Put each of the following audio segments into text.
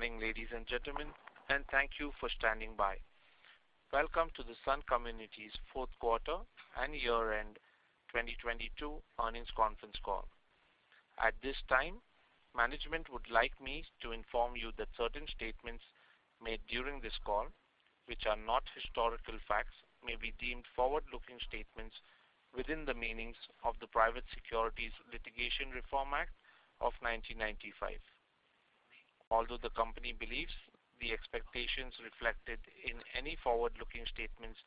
Morning, ladies and gentlemen, and thank you for standing by. Welcome to The Sun Communities fourth quarter and year-end 2022 earnings conference call. At this time, management would like me to inform you that certain statements made during this call, which are not historical facts, may be deemed forward-looking statements within the meanings of the Private Securities Litigation Reform Act of 1995. Although the company believes the expectations reflected in any forward-looking statements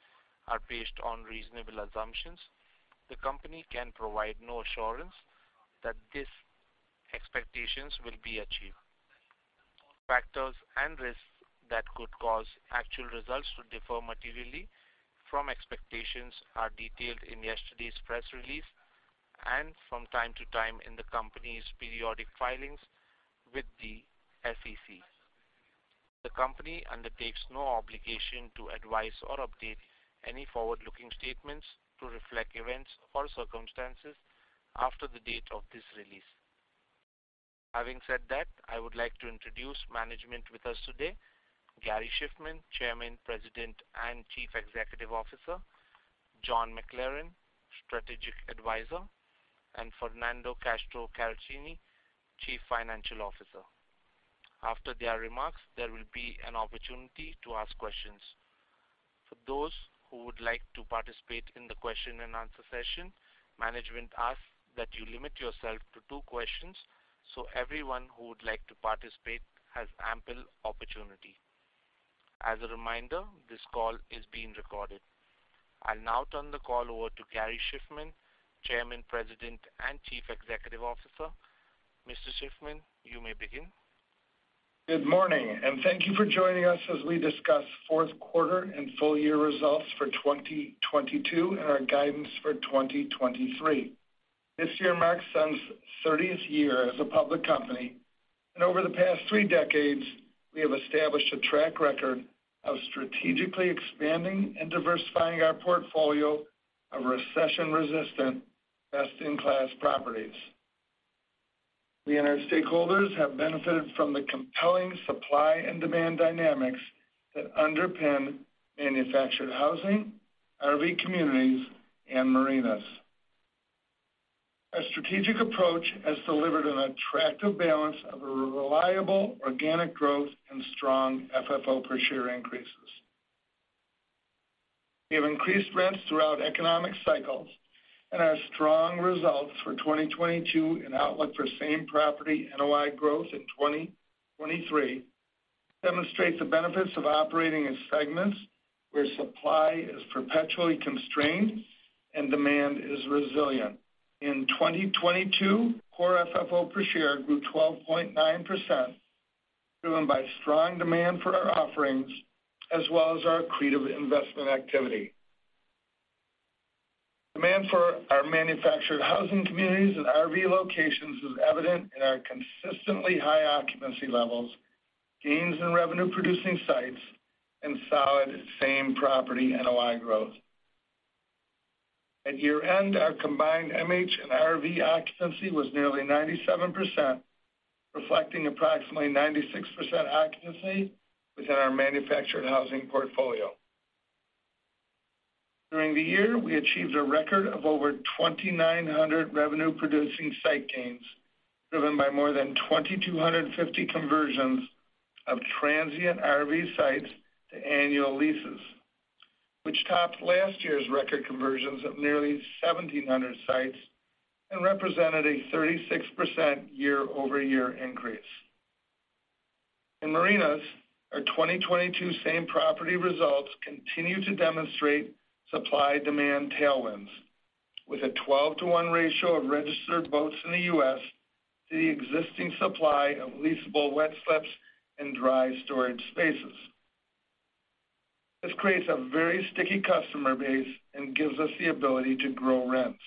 are based on reasonable assumptions, the company can provide no assurance that these expectations will be achieved. Factors and risks that could cause actual results to differ materially from expectations are detailed in yesterday's press release and from time to time in the company's periodic filings with the SEC. The company undertakes no obligation to advise or update any forward-looking statements to reflect events or circumstances after the date of this release. Having said that, I would like to introduce management with us today, Gary Shiffman, Chairman, President, and Chief Executive Officer, John McLaren, Strategic Advisor, and Fernando Castro-Caratini, Chief Financial Officer. After their remarks, there will be an opportunity to ask questions. For those who would like to participate in the question-and-answer session, management asks that you limit yourself to two questions so everyone who would like to participate has ample opportunity. As a reminder, this call is being recorded. I'll now turn the call over to Gary Shiffman, Chairman, President, and Chief Executive Officer. Mr. Shiffman, you may begin. Good morning. Thank you for joining us as we discuss fourth quarter and full-year results for 2022 and our guidance for 2023. This year marks Sun's 30th year as a public company. Over the past three decades, we have established a track record of strategically expanding and diversifying our portfolio of recession-resistant, best-in-class properties. Our stakeholders have benefited from the compelling supply and demand dynamics that underpin manufactured housing, RV communities, and marinas. A strategic approach has delivered an attractive balance of reliable organic growth and strong FFO per share increases. We have increased rents throughout economic cycles. Our strong results for 2022 and outlook for same-property NOI growth in 2023 demonstrates the benefits of operating in segments where supply is perpetually constrained and demand is resilient. In 2022, core FFO per share grew 12.9%, driven by strong demand for our offerings as well as our accretive investment activity. Demand for our manufactured housing communities and RV locations is evident in our consistently high occupancy levels, gains in revenue-producing sites, and solid same-property NOI growth. At year-end, our combined MH and RV occupancy was nearly 97%, reflecting approximately 96% occupancy within our manufactured housing portfolio. During the year, we achieved a record of over 2,900 revenue-producing site gains, driven by more than 2,250 conversions of transient RV sites to annual leases, which topped last year's record conversions of nearly 1,700 sites and represented a 36% year-over-year increase. In marinas, our 2022 same property results continue to demonstrate supply-demand tailwinds with a 12/1 ratio of registered boats in the U.S. to the existing supply of leasable wet slips and dry storage spaces. This creates a very sticky customer base and gives us the ability to grow rents.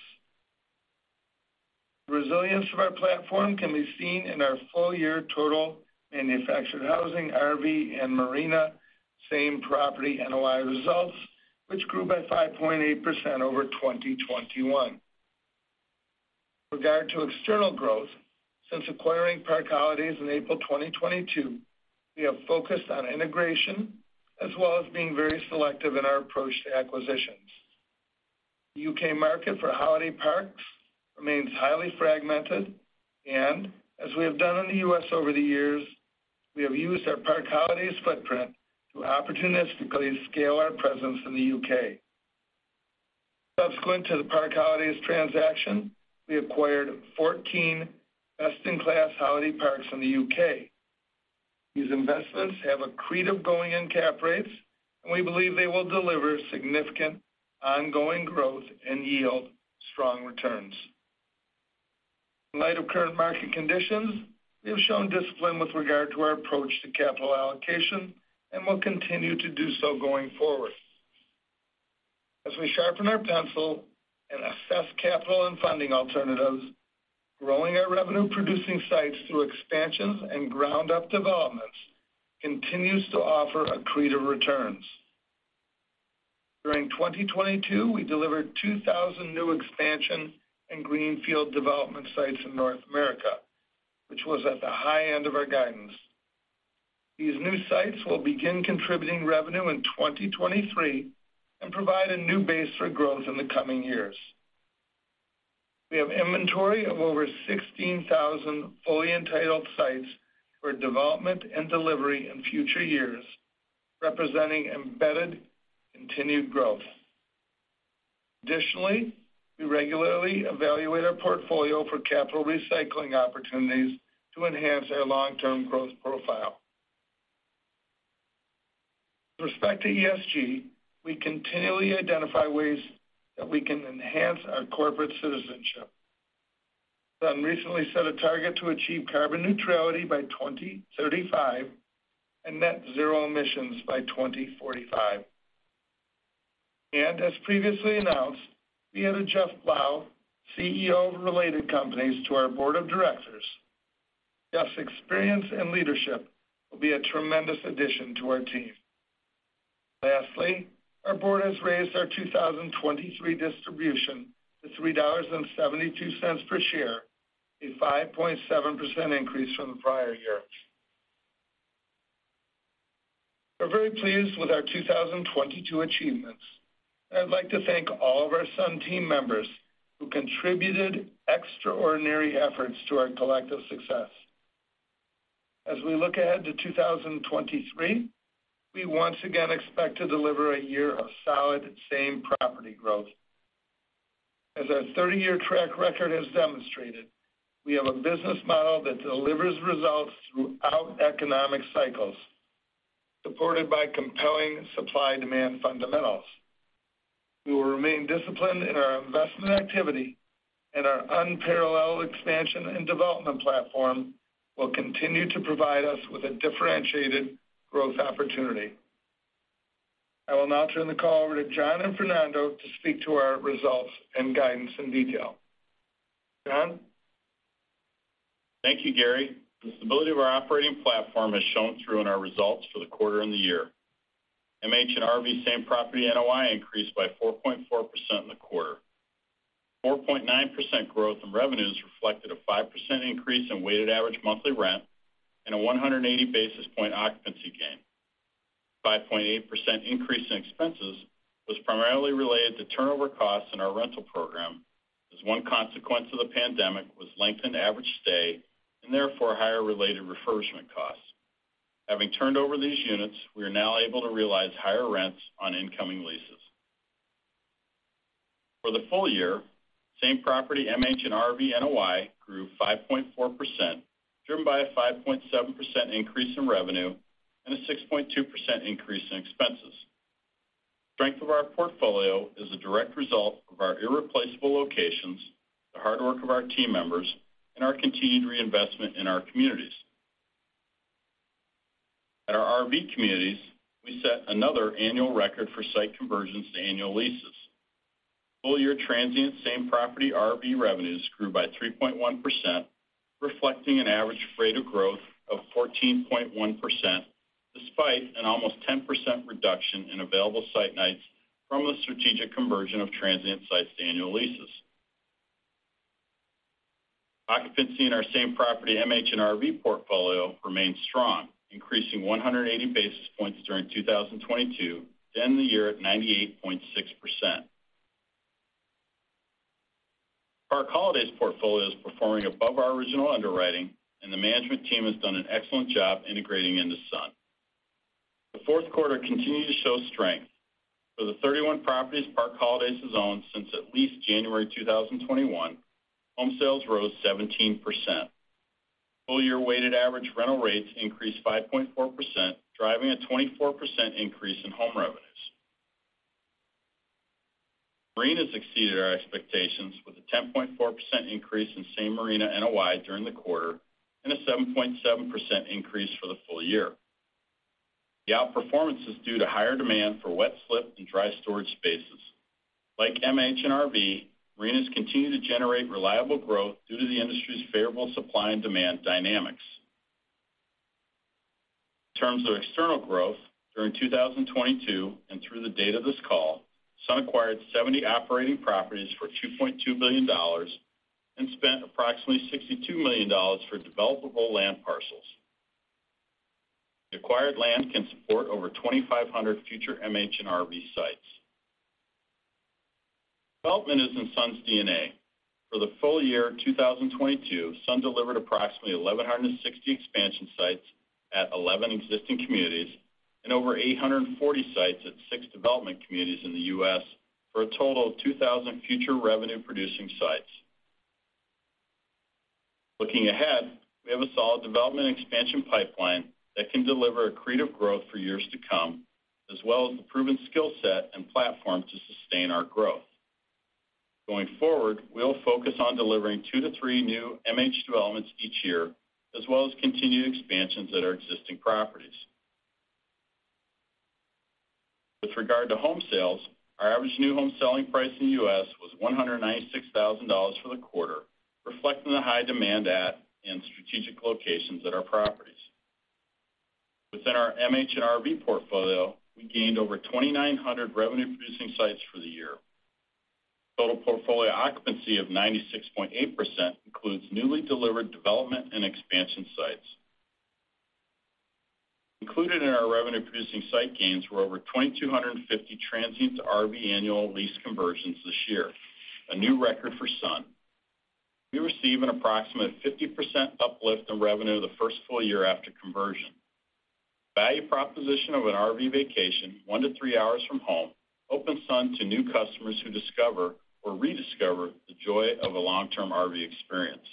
The resilience of our platform can be seen in our full-year total manufactured housing, RV, and marina same-property NOI results, which grew by 5.8% over 2021. With regard to external growth, since acquiring Park Holidays in April 2022, we have focused on integration as well as being very selective in our approach to acquisitions. The U.K. market for holiday parks remains highly fragmented. As we have done in the U.S. over the years, we have used our Park Holidays footprint to opportunistically scale our presence in the U.K. Subsequent to the Park Holidays transaction, we acquired 14 best-in-class holiday parks in the UK. These investments have accretive going-in cap rates, and we believe they will deliver significant ongoing growth and yield strong returns. In light of current market conditions, we have shown discipline with regard to our approach to capital allocation and will continue to do so going forward. As we sharpen our pencil and assess capital and funding alternatives, growing our revenue-producing sites through expansions and ground-up developments continues to offer accretive returns. During 2022, we delivered 2,000 new expansion and greenfield development sites in North America, which was at the high end of our guidance. These new sites will begin contributing revenue in 2023 and provide a new base for growth in the coming years. We have inventory of over 16,000 fully entitled sites for development and delivery in future years, representing embedded continued growth. Additionally, we regularly evaluate our portfolio for capital recycling opportunities to enhance our long-term growth profile. With respect to ESG, we continually identify ways that we can enhance our corporate citizenship. Sun recently set a target to achieve carbon neutrality by 2035 and net zero emissions by 2045. As previously announced, we added Jeff Blau, CEO of Related Companies, to our board of directors. Jeff's experience and leadership will be a tremendous addition to our team. Lastly, our board has raised our 2023 distribution to $3.72 per share, a 5.7% increase from the prior year. We're very pleased with our 2022 achievements. I'd like to thank all of our Sun team members who contributed extraordinary efforts to our collective success. As we look ahead to 2023, we once again expect to deliver a year of solid same-property growth. As our 30-year track record has demonstrated, we have a business model that delivers results throughout economic cycles, supported by compelling supply-demand fundamentals. We will remain disciplined in our investment activity, and our unparalleled expansion and development platform will continue to provide us with a differentiated growth opportunity. I will now turn the call over to John and Fernando to speak to our results and guidance in detail. John? Thank you, Gary. The stability of our operating platform has shown through in our results for the quarter and the year. MH and RV same-property NOI increased by 4.4% in the quarter. 4.9% growth in revenues reflected a 5% increase in weighted average monthly rent and a 180 basis point occupancy gain. 5.8% increase in expenses was primarily related to turnover costs in our rental program, as one consequence of the pandemic was lengthened average stay and therefore higher related refurbishment costs. Having turned over these units, we are now able to realize higher rents on incoming leases. For the full year, same-property MH and RV NOI grew 5.4%, driven by a 5.7% increase in revenue and a 6.2% increase in expenses. The strength of our portfolio is a direct result of our irreplaceable locations, the hard work of our team members, and our continued reinvestment in our communities. At our RV communities, we set another annual record for site conversions to annual leases. Full year transient same-property RV revenues grew by 3.1%, reflecting an average rate of growth of 14.1% despite an almost 10% reduction in available site nights from the strategic conversion of transient sites to annual leases. Occupancy in our same-property MH and RV portfolio remained strong, increasing 180 basis points during 2022 to end the year at 98.6%. Park Holidays portfolio is performing above our original underwriting, and the management team has done an excellent job integrating into Sun. The fourth quarter continued to show strength. For the 31 properties Park Holidays has owned since at least January 2021, home sales rose 17%. Full year weighted average rental rates increased 5.4%, driving a 24% increase in home revenues. Marinas exceeded our expectations with a 10.4% increase in same-marina NOI during the quarter and a 7.7% increase for the full year. The outperformance is due to higher demand for wet slip and dry storage spaces. Like MH and RV, marinas continue to generate reliable growth due to the industry's favorable supply and demand dynamics. In terms of external growth, during 2022 and through the date of this call, Sun acquired 70 operating properties for $2.2 billion and spent approximately $62 million for developable land parcels. The acquired land can support over 2,500 future MH and RV sites. Development is in Sun's DNA. For the full year 2022, Sun delivered approximately 1,160 expansion sites at 11 existing communities and over 840 sites at six development communities in the U.S. for a total of 2,000 future revenue-producing sites. Looking ahead, we have a solid development expansion pipeline that can deliver accretive growth for years to come, as well as the proven skill set and platform to sustain our growth. Going forward, we'll focus on delivering two to three new MH developments each year as well as continued expansions at our existing properties. With regard to home sales, our average new home selling price in the U.S. was $196,000 for the quarter, reflecting the high demand at and strategic locations at our properties. Within our MH and RV portfolio, we gained over 2,900 revenue-producing sites for the year. Total portfolio occupancy of 96.8% includes newly delivered development and expansion sites. Included in our revenue-producing site gains were over 2,250 transient to RV annual lease conversions this year, a new record for Sun. We receive an approximate 50% uplift in revenue the first full year after conversion. Value proposition of an RV vacation one to three hours from home opens Sun to new customers who discover or rediscover the joy of a long-term RV experience.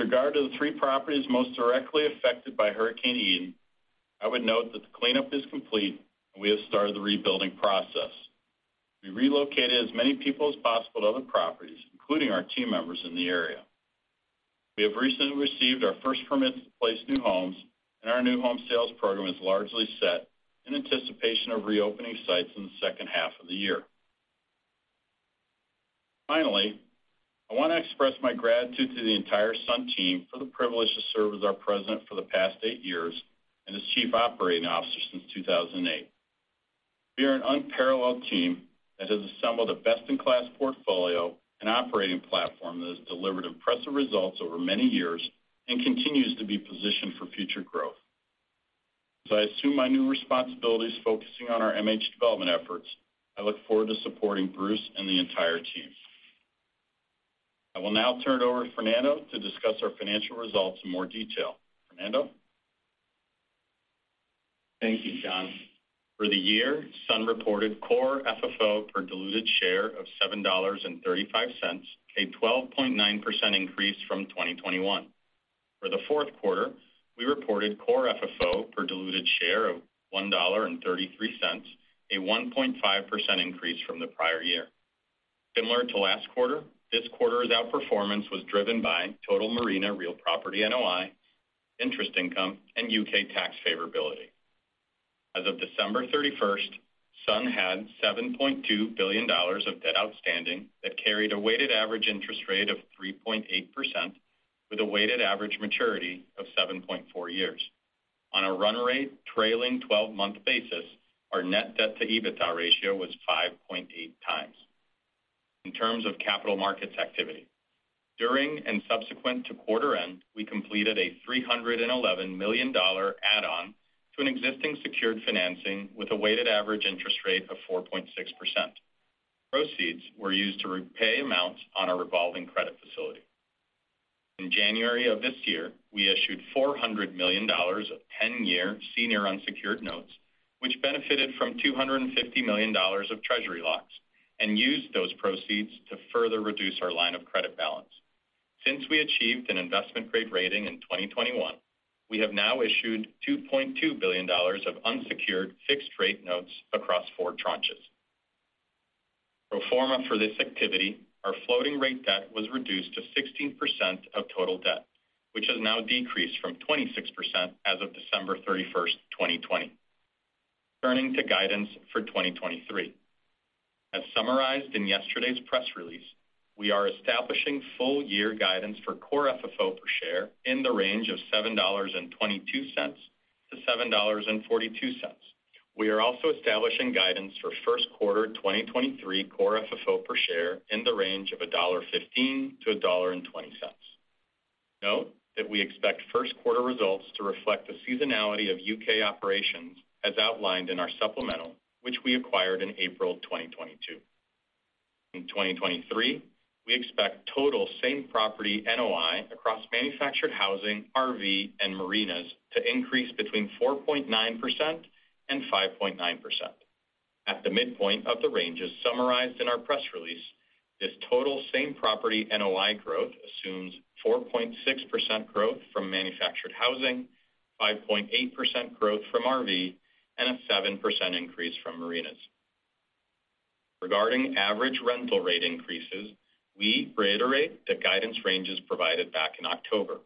With regard to the three properties most directly affected by Hurricane Ian, I would note that the cleanup is complete, and we have started the rebuilding process. We relocated as many people as possible to other properties, including our team members in the area. We have recently received our first permit to place new homes, and our new home sales program is largely set in anticipation of reopening sites in the second half of the year. Finally, I wanna express my gratitude to the entire Sun team for the privilege to serve as our president for the past eight years and as chief operating officer since 2008. We are an unparalleled team that has assembled a best-in-class portfolio and operating platform that has delivered impressive results over many years and continues to be positioned for future growth. As I assume my new responsibilities focusing on our MH development efforts, I look forward to supporting Bruce and the entire team. I will now turn it over to Fernando to discuss our financial results in more detail. Fernando? Thank you, John. For the year, Sun reported core FFO per diluted share of $7.35, a 12.9% increase from 2021. For the fourth quarter, we reported core FFO per diluted share of $1.33, a 1.5% increase from the prior year. Similar to last quarter, this quarter's outperformance was driven by total marina real property NOI, interest income, and U.K. tax favorability. As of December 31st, Sun had $7.2 billion of debt outstanding that carried a weighted average interest rate of 3.8% with a weighted average maturity of 7.4 years. On a run rate trailing 12-month basis, our net debt to EBITDA ratio was 5.8 times. In terms of capital markets activity, during and subsequent to quarter end, we completed a $311 million add-on to an existing secured financing with a weighted average interest rate of 4.6%. Proceeds were used to repay amounts on our revolving credit facility. In January of this year, we issued $400 million of 10-year senior unsecured notes, which benefited from $250 million of treasury locks and used those proceeds to further reduce our line of credit balance. Since we achieved an investment-grade rating in 2021, we have now issued $2.2 billion of unsecured fixed-rate notes across four tranches. Pro forma for this activity, our floating rate debt was reduced to 16% of total debt, which has now decreased from 26% as of December 31, 2020. Turning to guidance for 2023. As summarized in yesterday's press release, we are establishing full year guidance for core FFO per share in the range of $7.22-$7.42. We are also establishing guidance for first quarter 2023 core FFO per share in the range of $1.15-$1.20. Note that we expect first quarter results to reflect the seasonality of UK operations as outlined in our supplemental, which we acquired in April 2022. In 2023, we expect total same-property NOI across manufactured housing, RV, and marinas to increase between 4.9% and 5.9%. At the midpoint of the ranges summarized in our press release, this total same-property NOI growth assumes 4.6% growth from manufactured housing, 5.8% growth from RV, and a 7% increase from marinas. Regarding average rental rate increases, we reiterate the guidance ranges provided back in October.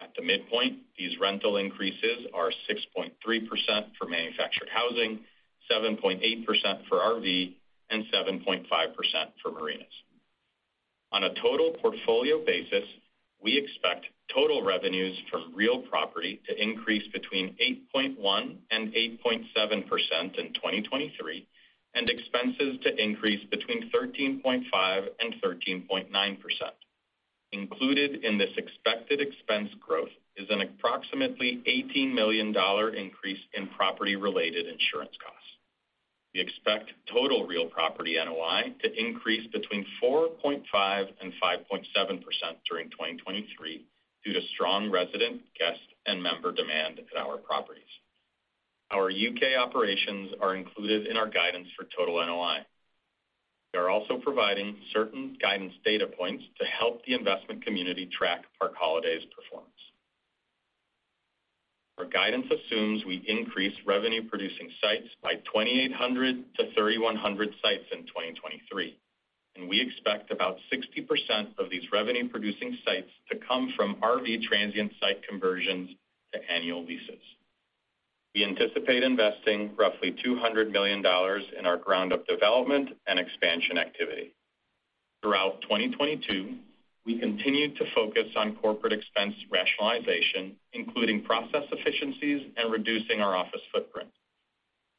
At the midpoint, these rental increases are 6.3% for manufactured housing, 7.8% for RV, and 7.5% for marinas. On a total portfolio basis, we expect total revenues from real property to increase between 8.1% and 8.7% in 2023 and expenses to increase between 13.5% and 13.9%. Included in this expected expense growth is an approximately $18 million increase in property-related insurance costs. We expect total real property NOI to increase between 4.5% and 5.7% during 2023 due to strong resident, guest, and member demand at our properties. Our U.K. operations are included in our guidance for total NOI. We are also providing certain guidance data points to help the investment community track Park Holidays performance. Our guidance assumes we increase revenue-producing sites by 2,800 to 3,100 sites in 2023, and we expect about 60% of these revenue-producing sites to come from RV transient site conversions to annual leases. We anticipate investing roughly $200 million in our ground up development and expansion activity. Throughout 2022, we continued to focus on corporate expense rationalization, including process efficiencies and reducing our office footprint.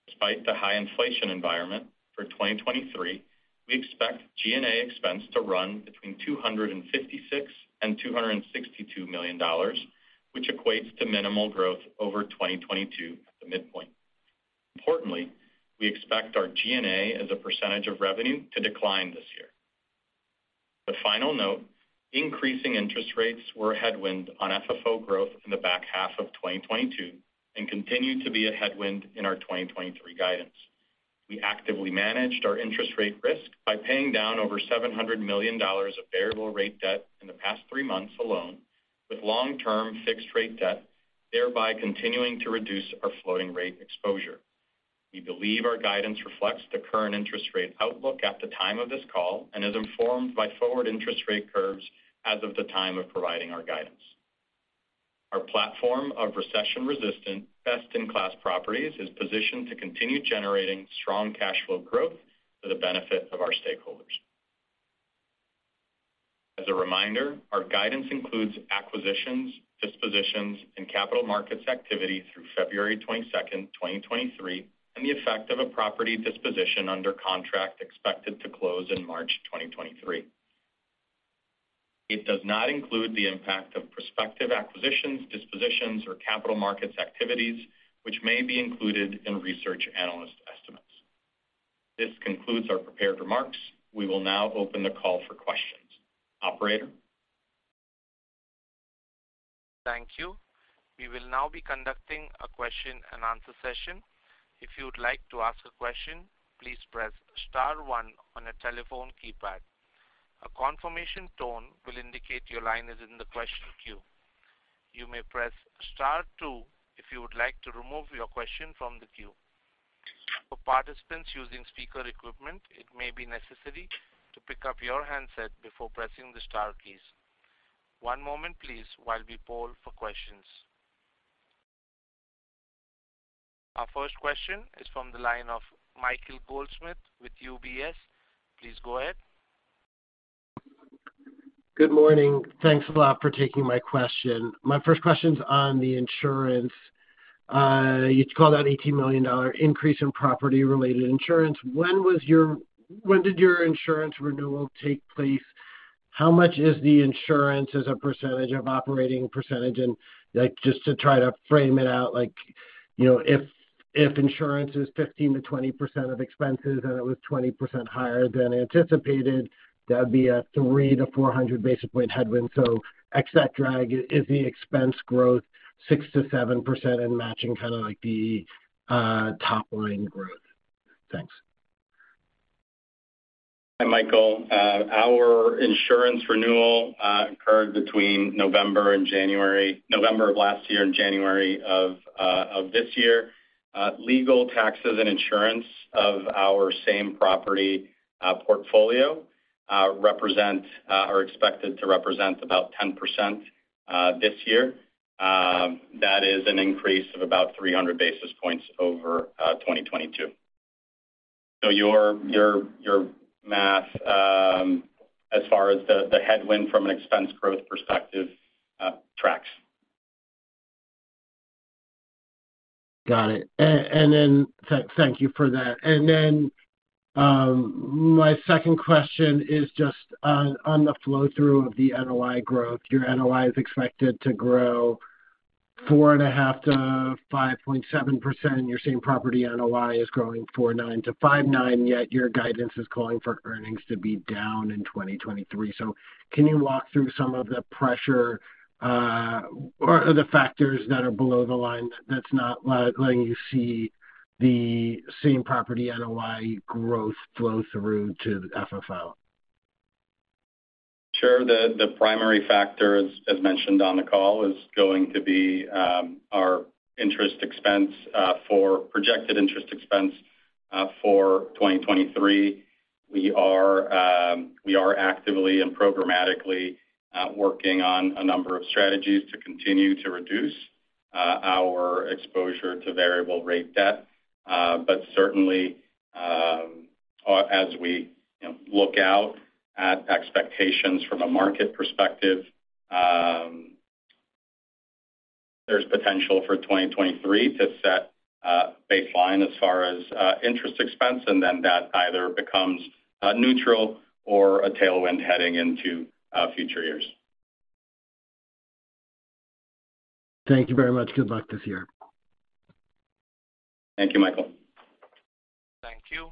Despite the high inflation environment for 2023, we expect G&A expense to run between $256 million and $262 million, which equates to minimal growth over 2022 at the midpoint. Importantly, we expect our G&A as a percentage of revenue to decline this year. The final note, increasing interest rates were a headwind on FFO growth in the back half of 2022 and continue to be a headwind in our 2023 guidance. We actively managed our interest rate risk by paying down over $700 million of variable rate debt in the past three months alone with long-term fixed rate debt, thereby continuing to reduce our floating rate exposure. We believe our guidance reflects the current interest rate outlook at the time of this call and is informed by forward interest rate curves as of the time of providing our guidance. Our platform of recession-resistant best-in-class properties is positioned to continue generating strong cash flow growth for the benefit of our stakeholders. As a reminder, our guidance includes acquisitions, dispositions and capital markets activity through February 22nd, 2023, and the effect of a property disposition under contract expected to close in March 2023. It does not include the impact of prospective acquisitions, dispositions or capital markets activities which may be included in research analyst estimates. This concludes our prepared remarks. We will now open the call for questions. Operator. Thank you. We will now be conducting a question and answer session. If you would like to ask a question, please press star one on a telephone keypad. A confirmation tone will indicate your line is in the question queue. You may press star two if you would like to remove your question from the queue. For participants using speaker equipment, it may be necessary to pick up your handset before pressing the star keys. One moment please while we poll for questions. Our first question is from the line of Michael Goldsmith with UBS. Please go ahead. Good morning. Thanks a lot for taking my question. My first question is on the insurance. You called out $18 million increase in property related insurance. When did your insurance renewal take place? How much is the insurance as a percentage of operating percentage? Like, just to try to frame it out, like, you know, if insurance is 15%-20% of expenses and it was 20% higher than anticipated, that'd be a 300-400 basis point headwind. X that drag, is the expense growth 6%-7% and matching kind of like the top line growth? Thanks. Hi, Michael. Our insurance renewal occurred between November of last year and January of this year. Legal taxes and insurance of our same property portfolio are expected to represent about 10% this year. That is an increase of about 300 basis points over 2022. Your math as far as the headwind from an expense growth perspective tracks. Got it. And then, thank you for that. My second question is just on the flow through of the NOI growth. Your NOI is expected to grow 4.5%-5.7%, and your same property NOI is growing 4.9%-5.9%, yet your guidance is calling for earnings to be down in 2023. Can you walk through some of the pressure or the factors that are below the line that's not letting you see the same property NOI growth flow through to the FFO? Sure. The primary factor, as mentioned on the call, is going to be our interest expense, projected interest expense for 2023. We are actively and programmatically working on a number of strategies to continue to reduce our exposure to variable rate debt. Certainly, as we look out at expectations from a market perspective, there's potential for 2023 to set a baseline as far as interest expense, and then that either becomes neutral or a tailwind heading into future years. Thank you very much. Good luck this year. Thank you, Michael. Thank you.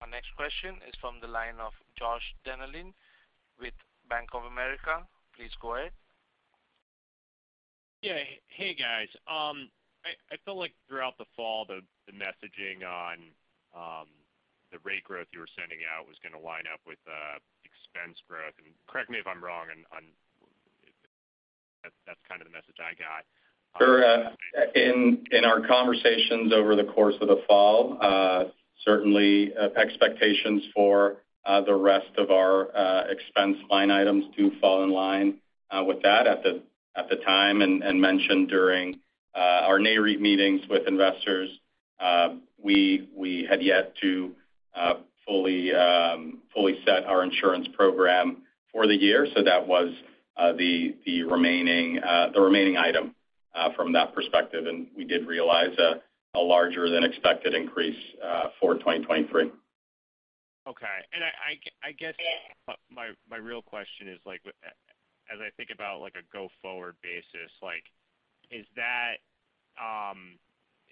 Our next question is from the line of Joshua Dennerlein with Bank of America. Please go ahead. Yeah. Hey, guys. I feel like throughout the fall, the messaging on the rate growth you were sending out was gonna line up with expense growth. Correct me if I'm wrong on-- That's kind of the message I got. Sure. In our conversations over the course of the fall, Certainly, expectations for the rest of our expense line items do fall in line with that at the time, and mentioned during our NAREIT meetings with investors. We had yet to fully set our insurance program for the year, so that was the remaining item from that perspective, and we did realize a larger than expected increase for 2023. Okay. I guess my real question is like, as I think about like a go-forward basis, like is that.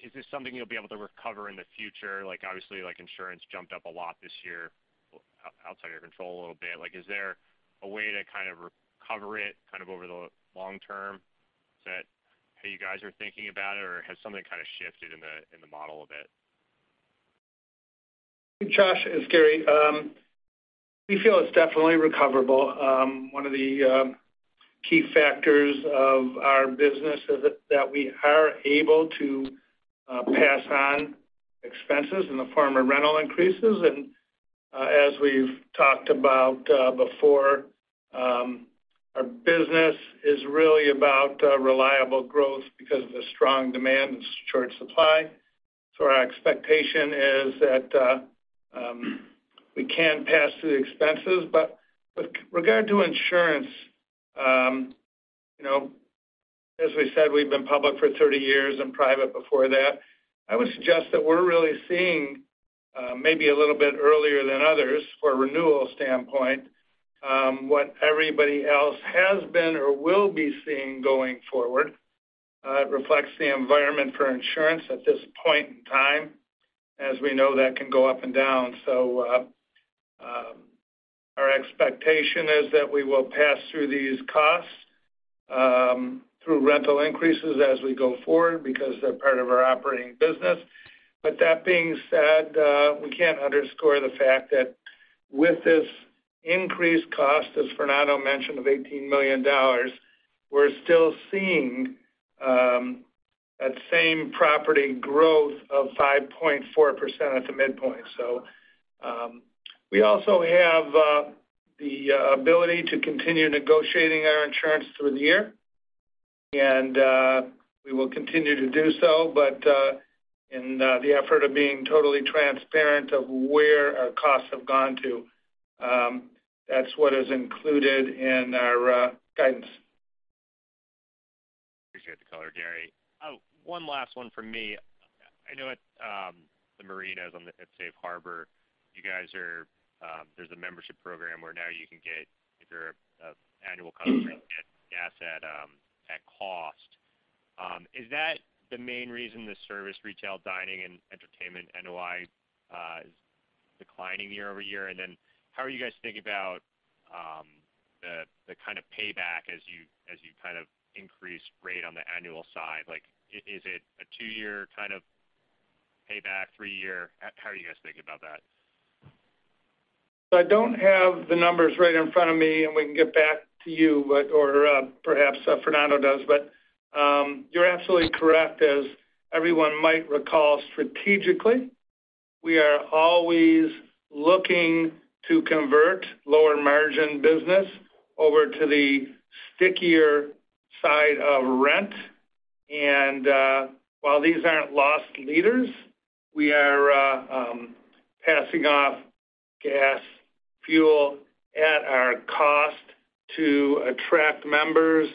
Is this something you'll be able to recover in the future? Like, obviously, like insurance jumped up a lot this year, outside your control a little bit. Like, is there a way to kind of recover it kind of over the long term? Is that how you guys are thinking about it, or has something kind of shifted in the, in the model a bit? Josh, it's Gary. We feel it's definitely recoverable. One of the key factors of our business is that we are able to pass on expenses in the form of rental increases. As we've talked about before, our business is really about reliable growth because of the strong demand and short supply. Our expectation is that we can pass through the expenses. With regard to insurance, you know, as we said, we've been public for 30 years and private before that. I would suggest that we're really seeing maybe a little bit earlier than others from a renewal standpoint, what everybody else has been or will be seeing going forward. It reflects the environment for insurance at this point in time. As we know, that can go up and down. Our expectation is that we will pass through these costs through rental increases as we go forward because they're part of our operating business. That being said, we can't underscore the fact that with this increased cost, as Fernando mentioned, of $18 million, we're still seeing that same property growth of 5.4% at the midpoint. We also have the ability to continue negotiating our insurance through the year, and we will continue to do so. In the effort of being totally transparent of where our costs have gone to, that's what is included in our guidance. Appreciate the color, Gary. One last one from me. I know at the marinas at Safe Harbor, you guys are there's a membership program where now you can get, if you're a annual customer, you can get gas at at cost. Is that the main reason the service, retail, dining, and entertainment NOI is declining year-over-year? How are you guys thinking about the kind of payback as you, as you kind of increase rate on the annual side? Like, is it a two-year kind of payback, three-year? How, how are you guys thinking about that? I don't have the numbers right in front of me, and we can get back to you, but or perhaps Fernando does. You're absolutely correct. As everyone might recall strategically, we are always looking to convert lower margin business over to the stickier side of rent. While these aren't loss leaders, we are passing off gas, fuel at our cost to attract members.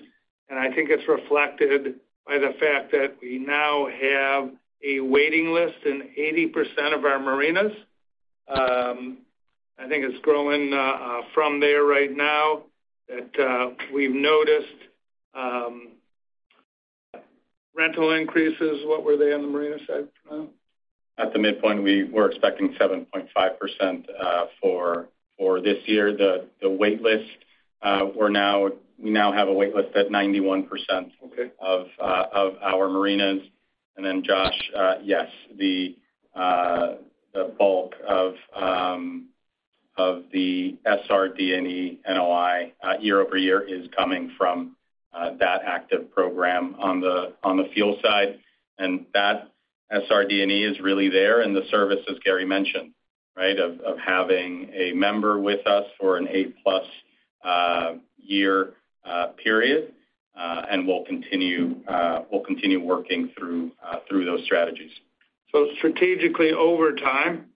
I think it's reflected by the fact that we now have a waiting list in 80% of our marinas. I think it's growing from there right now that we've noticed rental increases. What were they on the marina side, Fernando? At the midpoint, we were expecting 7.5%, for this year. The, the wait list, we now have a wait list at 91%. Okay. -of, of our marinas. Josh, yes, the bulk of the SRD&E NOI year-over-year is coming from that active program on the fuel side, and that SRD&E is really there in the service, as Gary mentioned, right? Of, of having a member with us for an 8+ year period. We'll continue, we'll continue working through those strategies. Strategically over time,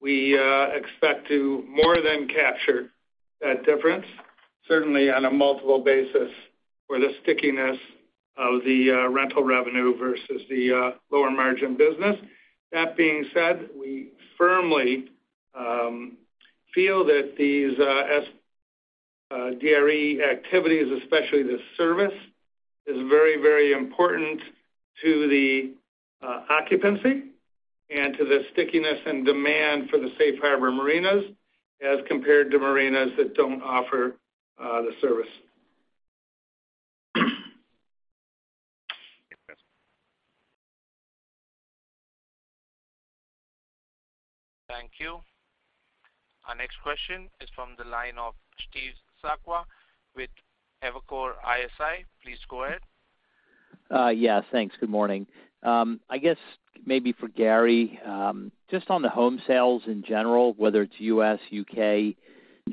we expect to more than capture that difference, certainly on a multiple basis for the stickiness of the rental revenue versus the lower margin business. That being said, we firmly feel that these SRD&E activities, especially the service, is very, very important to the occupancy and to the stickiness and demand for the Safe Harbor marinas as compared to marinas that don't offer the service. Thank you. Our next question is from the line of Steve Sakwa with Evercore ISI. Please go ahead. Yeah, thanks. Good morning. I guess maybe for Gary, just on the home sales in general, whether it's U.S., U.K.,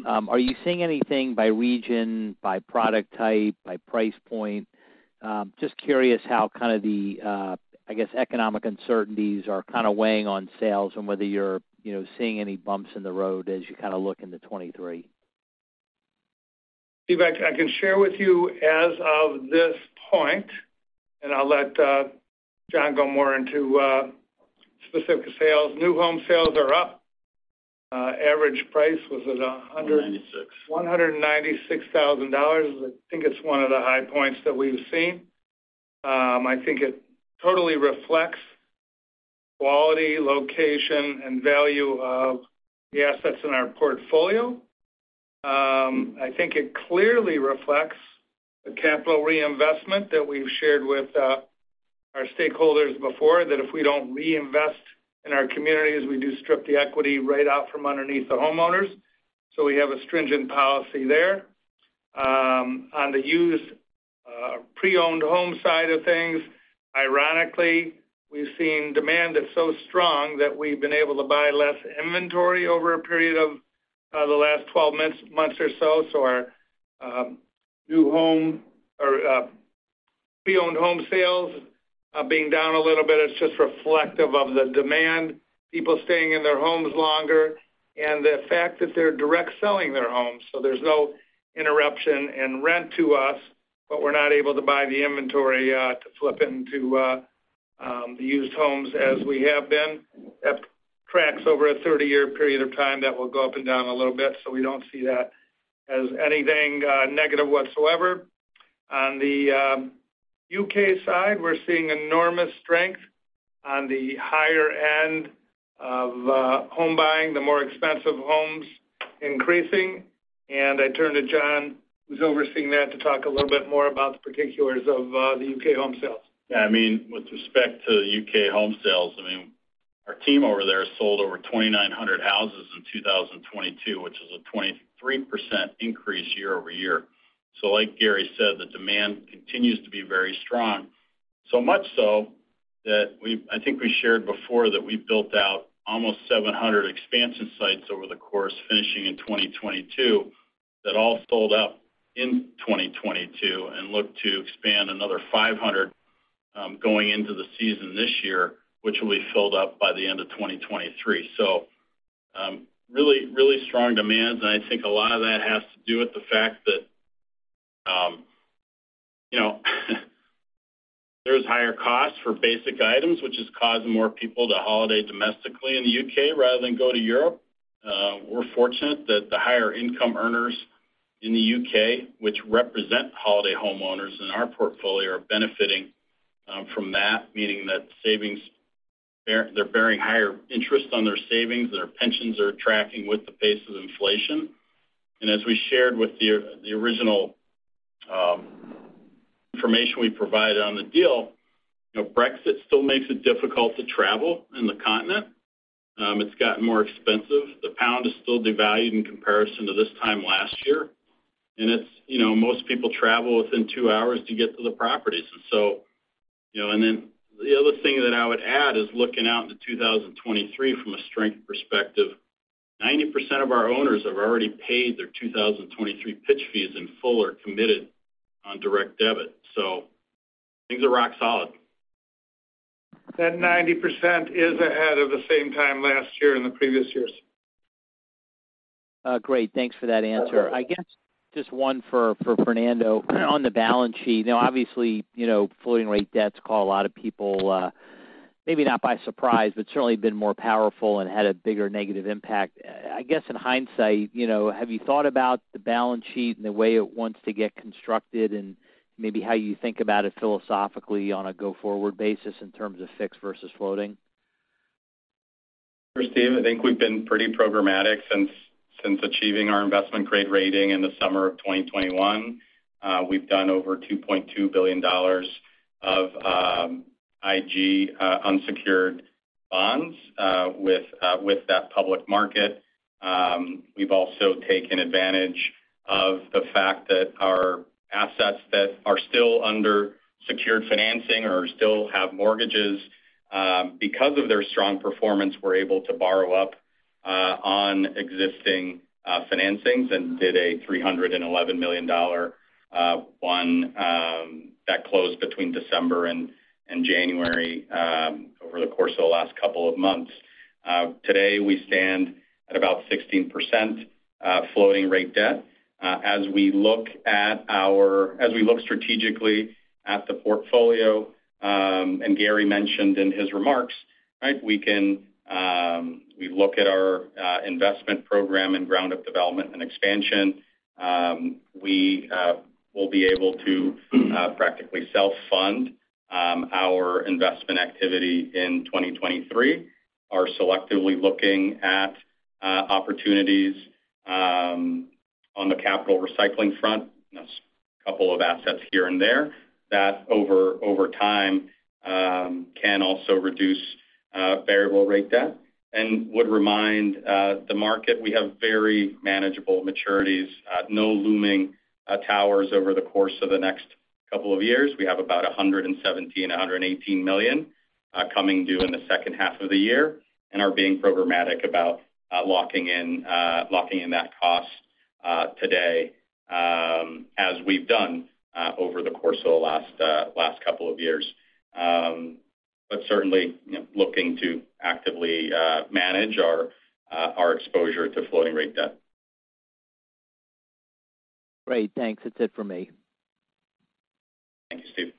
are you seeing anything by region, by product type, by price point? Just curious how kinda the, I guess, economic uncertainties are kinda weighing on sales and whether you're, you know, seeing any bumps in the road as you kinda look into 2023. Steve, I can share with you as of this point, and I'll let John go more into specific sales. New home sales are up. Average price was at. 196. $196,000. I think it's one of the high points that we've seen. I think it totally reflects quality, location, and value of the assets in our portfolio. I think it clearly reflects the capital reinvestment that we've shared with our stakeholders before, that if we don't reinvest in our communities, we do strip the equity right out from underneath the homeowners. We have a stringent policy there. On the used, pre-owned home side of things, ironically, we've seen demand that's so strong that we've been able to buy less inventory over a period of the last 12 months or so. Our new home or pre-owned home sales being down a little bit, it's just reflective of the demand, people staying in their homes longer, and the fact that they're direct selling their homes, so there's no interruption in rent to us, but we're not able to buy the inventory to flip into the used homes as we have been. That tracks over a 30-year period of time, that will go up and down a little bit, so we don't see that as anything negative whatsoever. On the U.K. side, we're seeing enormous strength on the higher end of home buying, the more expensive homes increasing. I turn to John, who's overseeing that, to talk a little bit more about the particulars of the U.K. home sales. I mean, with respect to UK home sales, I mean, our team over there sold over 2,900 houses in 2022, which is a 23% increase year-over-year. Like Gary said, the demand continues to be very strong. Much so that I think we shared before that we've built out almost 700 expansion sites over the course finishing in 2022 that all sold out in 2022 and look to expand another 500 going into the season this year, which will be filled up by the end of 2023. Really strong demand. I think a lot of that has to do with the fact that, you know, there's higher costs for basic items, which is causing more people to holiday domestically in the UK rather than go to Europe. We're fortunate that the higher income earners in the UK, which represent holiday homeowners in our portfolio, are benefiting from that, meaning that savings, they're bearing higher interest on their savings, their pensions are tracking with the pace of inflation. As we shared with the original information we provided on the deal, you know, Brexit still makes it difficult to travel in the continent. It's gotten more expensive. The pound is still devalued in comparison to this time last year. It's, you know, most people travel within two hours to get to the properties. You know. The other thing that I would add is looking out into 2023 from a strength perspective, 90% of our owners have already paid their 2023 pitch fees in full or committed on direct debit. Things are rock solid. That 90% is ahead of the same time last year and the previous years. Great. Thanks for that answer. I guess just one for Fernando. On the balance sheet, now, obviously, you know, floating rate debts call a lot of people, maybe not by surprise, but certainly been more powerful and had a bigger negative impact. I guess in hindsight, you know, have you thought about the balance sheet and the way it wants to get constructed and maybe how you think about it philosophically on a go-forward basis in terms of fixed versus floating? Sure, Steve. I think we've been pretty programmatic since achieving our investment-grade rating in the summer of 2021. We've done over $2.2 billion of IG unsecured bonds with that public market. We've also taken advantage of the fact that our assets that are still under secured financing or still have mortgages, because of their strong performance, we're able to borrow up on existing financings and did a $311 million one that closed between December and January over the course of the last couple of months. Today, we stand at about 16% floating rate debt. As we look strategically at the portfolio, Gary mentioned in his remarks, right? We can, we look at our investment program and ground-up development and expansion. We will be able to practically self-fund our investment activity in 2023. Are selectively looking at opportunities on the capital recycling front. A couple of assets here and there that over time can also reduce variable rate debt. Would remind the market we have very manageable maturities, no looming towers over the course of the next couple of years. We have about $117 million-$118 million coming due in the second half of the year, and are being programmatic about locking in that cost today as we've done over the course of the last couple of years. certainly, looking to actively manage our exposure to floating rate debt. Great. Thanks. That's it for me. Thanks, Steve.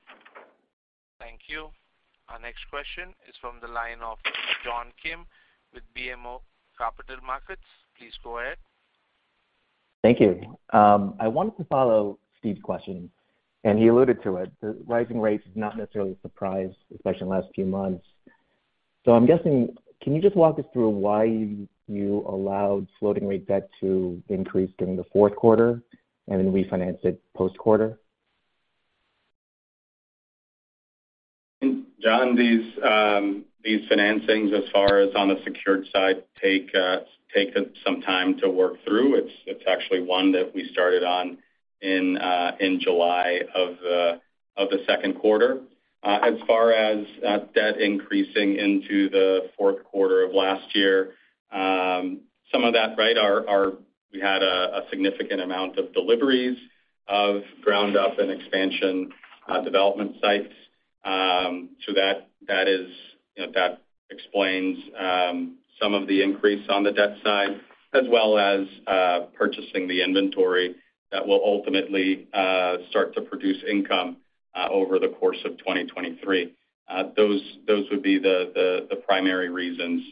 Thank you. Our next question is from the line of John Kim with BMO Capital Markets. Please go ahead. Thank you. I wanted to follow Steve's question, and he alluded to it. The rising rates is not necessarily a surprise, especially in the last few months. I'm guessing, can you just walk us through why you allowed floating rate debt to increase during the fourth quarter and then refinance it post-quarter? John, these financings, as far as on the secured side, take us some time to work through. It's actually one that we started on in July of the second quarter. As far as debt increasing into the fourth quarter of last year, some of that, right, we had a significant amount of deliveries of ground up and expansion development sites. That is, you know, that explains some of the increase on the debt side, as well as purchasing the inventory that will ultimately start to produce income over the course of 2023. Those would be the primary reasons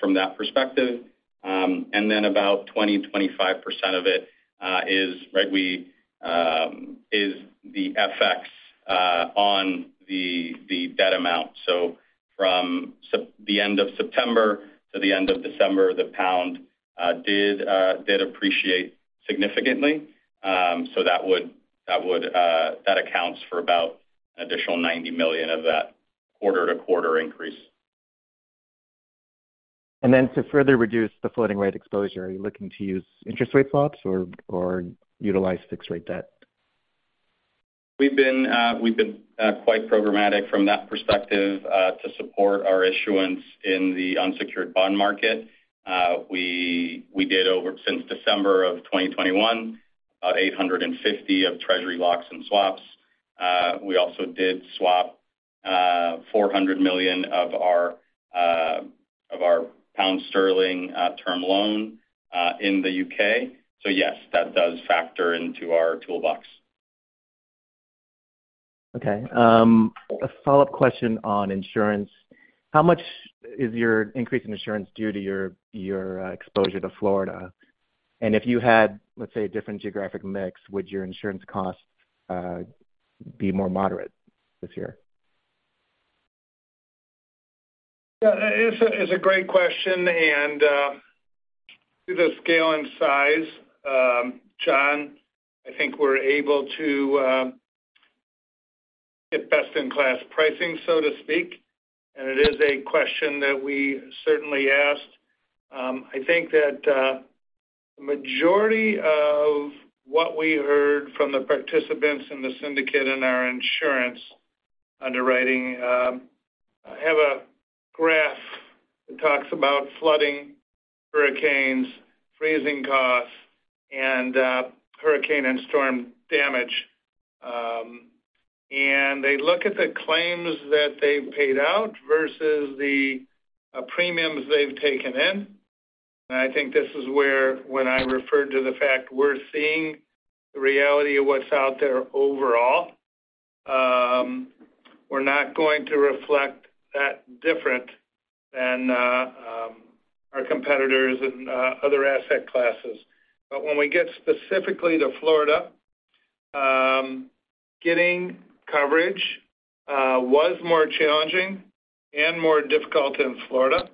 from that perspective. About 20%-25% of it is the FX on the debt amount. From the end of September to the end of December, the GBP did appreciate significantly. That accounts for about an additional 90 million of that quarter-to-quarter increase. To further reduce the floating rate exposure, are you looking to use interest rate swaps or utilize fixed rate debt? We've been quite programmatic from that perspective to support our issuance in the unsecured bond market. We did since December 2021, about 850 of treasury locks and swaps. We also did swap 400 million of our pound sterling term loan in the UK. Yes, that does factor into our toolbox. Okay. A follow-up question on insurance. How much is your increase in insurance due to your exposure to Florida? If you had, let's say, a different geographic mix, would your insurance costs be more moderate this year? Yeah. It's a, it's a great question, and through the scale and size, John, I think we're able to get best in class pricing, so to speak. It is a question that we certainly asked. I think that majority of what we heard from the participants in the syndicate in our insurance underwriting have a graph that talks about flooding, hurricanes, freezing costs, and hurricane and storm damage. They look at the claims that they've paid out versus the premiums they've taken in. I think this is where, when I referred to the fact we're seeing the reality of what's out there overall, we're not going to reflect that different than our competitors in other asset classes. When we get specifically to Florida, getting coverage was more challenging and more difficult in Florida.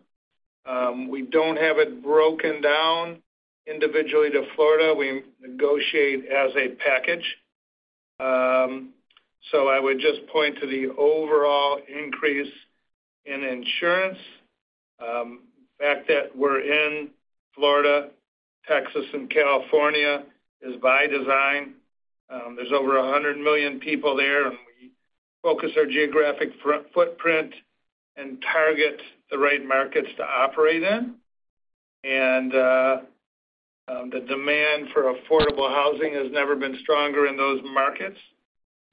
We don't have it broken down individually to Florida. We negotiate as a package. I would just point to the overall increase in insurance. The fact that we're in Florida, Texas, and California is by design. There's over 100 million people there, and we focus our geographic footprint and target the right markets to operate in. The demand for affordable housing has never been stronger in those markets.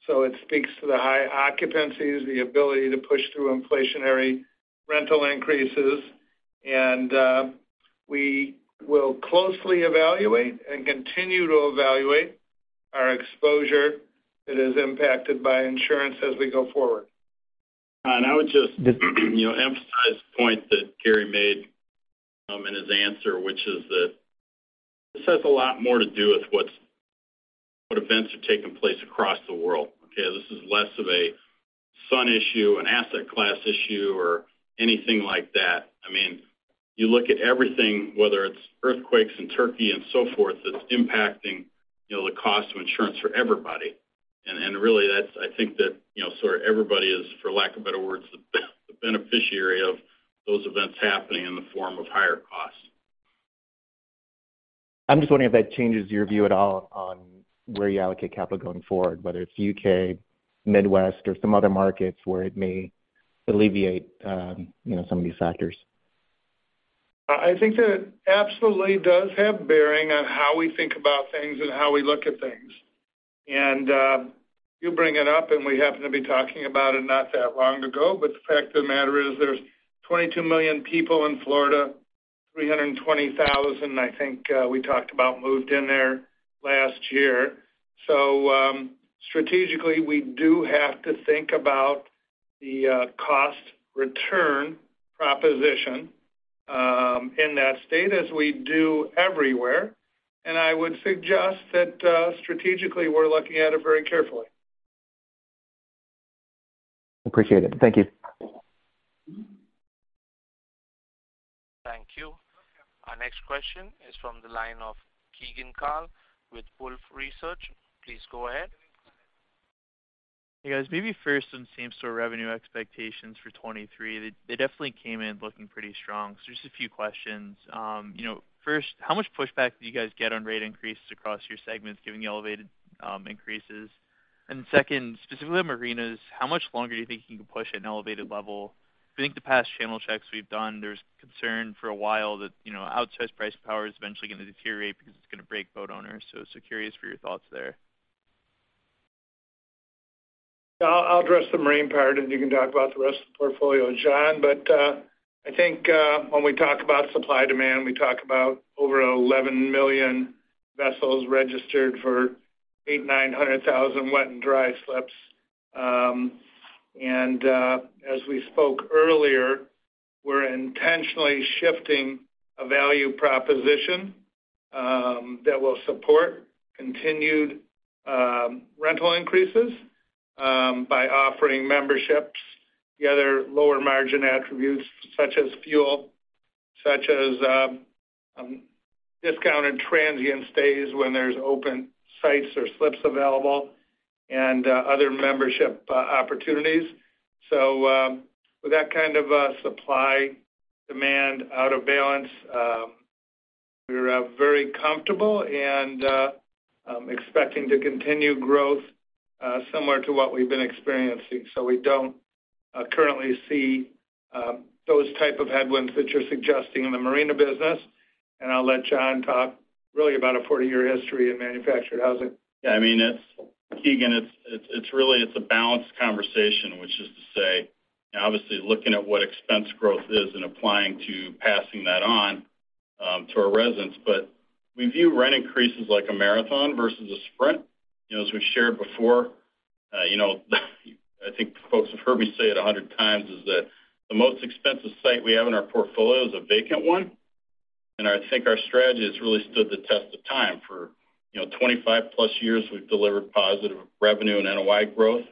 It speaks to the high occupancies, the ability to push through inflationary rental increases. We will closely evaluate and continue to evaluate our exposure that is impacted by insurance as we go forward. I would just, you know, emphasize the point that Gary made, in his answer, which is that this has a lot more to do with what events are taking place across the world, okay? This is less of a. Sun issue, an asset class issue, or anything like that. I mean, you look at everything, whether it's earthquakes in Turkey and so forth, that's impacting, you know, the cost of insurance for everybody. Really I think that, you know, sort of everybody is, for lack of better words, the beneficiary of those events happening in the form of higher costs. I'm just wondering if that changes your view at all on where you allocate capital going forward, whether it's UK, Midwest, or some other markets where it may alleviate, you know, some of these factors. I think that it absolutely does have a bearing on how we think about things and how we look at things. You bring it up, and we happen to be talking about it not that long ago. The fact of the matter is there's 22 million people in Florida, 320,000, I think, we talked about moved in there last year. Strategically, we do have to think about the cost return proposition in that state as we do everywhere. I would suggest that strategically, we're looking at it very carefully. Appreciate it. Thank you. Thank you. Our next question is from the line of Keegan Carl with Wolfe Research. Please go ahead. Hey, guys. Maybe first on same-store revenue expectations for 23. They definitely came in looking pretty strong. Just a few questions. You know, first, how much pushback do you guys get on rate increases across your segments giving the elevated increases? Second, specifically on marinas, how much longer do you think you can push an elevated level? I think the past channel checks we've done, there's concern for a while that, you know, outsized price power is eventually gonna deteriorate because it's gonna break boat owners. Curious for your thoughts there. I'll address the marine part, and you can talk about the rest of the portfolio, John. I think when we talk about supply-demand, we talk about over 11 million vessels registered for 8,900,000 wet and dry slips. As we spoke earlier, we're intentionally shifting a value proposition that will support continued rental increases by offering memberships, the other lower margin attributes such as fuel, such as discounted transient stays when there's open sites or slips available and other membership opportunities. With that kind of a supply demand out of balance, we're very comfortable and expecting to continue growth similar to what we've been experiencing. We don't currently see those type of headwinds that you're suggesting in the marina business. I'll let John McLaren talk really about a 40-year history in manufactured housing. Yeah. I mean, Keegan Carl, it's really, it's a balanced conversation, which is to say, obviously, looking at what expense growth is and applying to passing that on to our residents. We view rent increases like a marathon versus a sprint. You know, as we've shared before, you know, I think folks have heard me say it 100 times is that the most expensive site we have in our portfolio is a vacant one. I think our strategy has really stood the test of time. For, you know, 25 plus years, we've delivered positive revenue and NOI growth.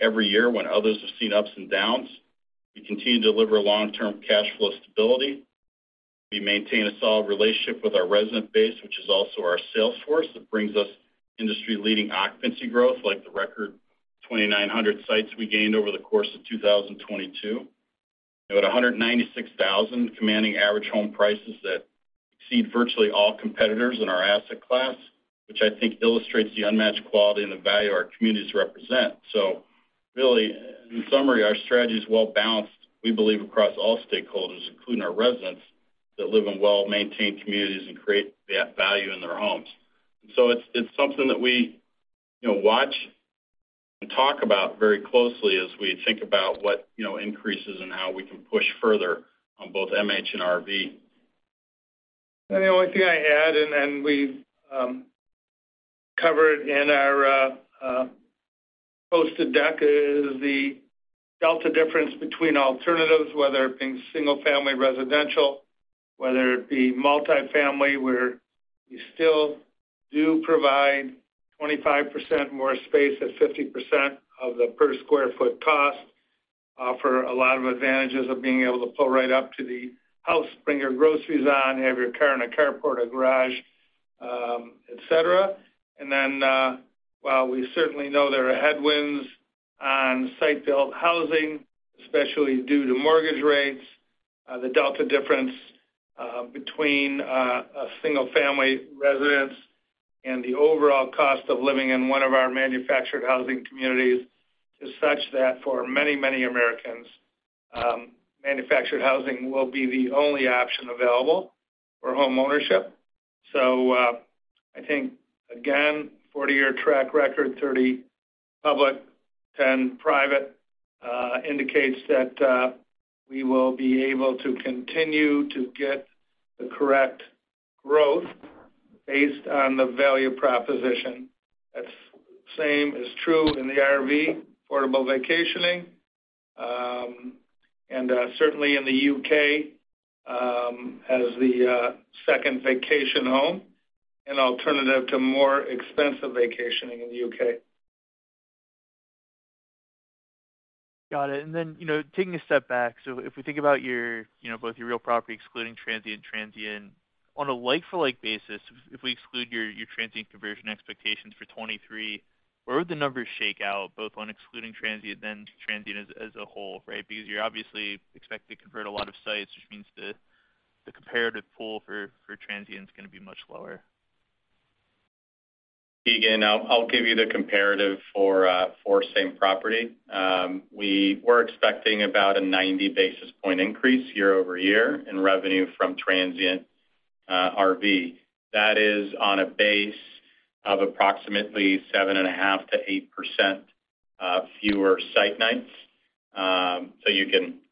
Every year when others have seen ups and downs, we continue to deliver long-term cash flow stability. We maintain a solid relationship with our resident base, which is also our sales force. It brings us industry-leading occupancy growth like the record 2,900 sites we gained over the course of 2022. At 196,000, commanding average home prices that exceed virtually all competitors in our asset class, which I think illustrates the unmatched quality and the value our communities represent. Really, in summary, our strategy is well-balanced, we believe, across all stakeholders, including our residents, that live in well-maintained communities and create that value in their homes. It's something that we, you know, watch and talk about very closely as we think about what, you know, increases and how we can push further on both MH and RV. The only thing I add, and we've covered in our posted deck is the delta difference between alternatives, whether it being single-family residential, whether it be multifamily, where you still do provide 25% more space at 50% of the per square foot cost, offer a lot of advantages of being able to pull right up to the house, bring your groceries on, have your car in a carport or garage, et cetera. Then, while we certainly know there are headwinds on site-built housing, especially due to mortgage rates, the delta difference between a single-family residence and the overall cost of living in one of our manufactured housing communities is such that for many, many Americans, manufactured housing will be the only option available for homeownership. I think, again, 40-year track record, 30 public, 10 private, indicates that we will be able to continue to get the correct growth based on the value proposition. That's same is true in the RV, affordable vacationing, and certainly in the U.K., as the second vacation home, an alternative to more expensive vacationing in the U.K. Got it. you know, taking a step back, if we think about your, you know, both your real property excluding transient. On a like for like basis, if we exclude your transient conversion expectations for 23, where would the numbers shake out, both on excluding transient then transient as a whole, right? you're obviously expect to convert a lot of sites, which means the comparative pool for transient is gonna be much lower. Keegan, I'll give you the comparative for same property. We were expecting about a 90 basis point increase year-over-year in revenue from transient RV. That is on a base of approximately 7.5%-8% fewer site nights.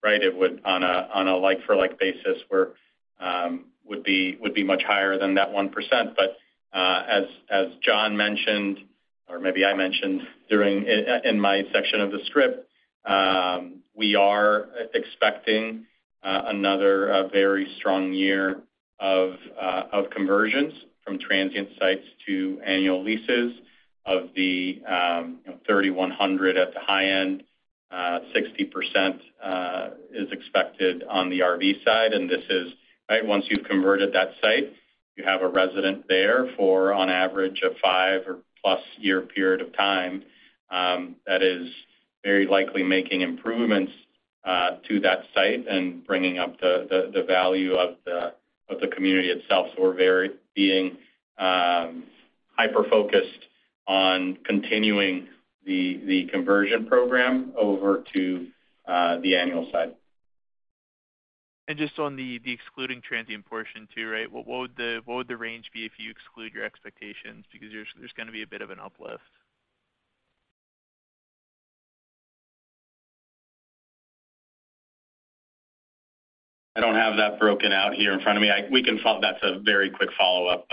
Right? It would on a like for like basis where would be much higher than that 1%. As John mentioned, or maybe I mentioned during in my section of the script, we are expecting another very strong year of conversions from transient sites to annual leases. Of the, you know, 3,100 at the high end, 60% is expected on the RV side. Right? Once you've converted that site, you have a resident there for on average a five or plus year period of time, that is very likely making improvements to that site and bringing up the value of the community itself. We're very being hyper-focused on continuing the conversion program over to the annual side. Just on the excluding transient portion too, right? What would the range be if you exclude your expectations? Because there's gonna be a bit of an uplift. I don't have that broken out here in front of me. That's a very quick follow-up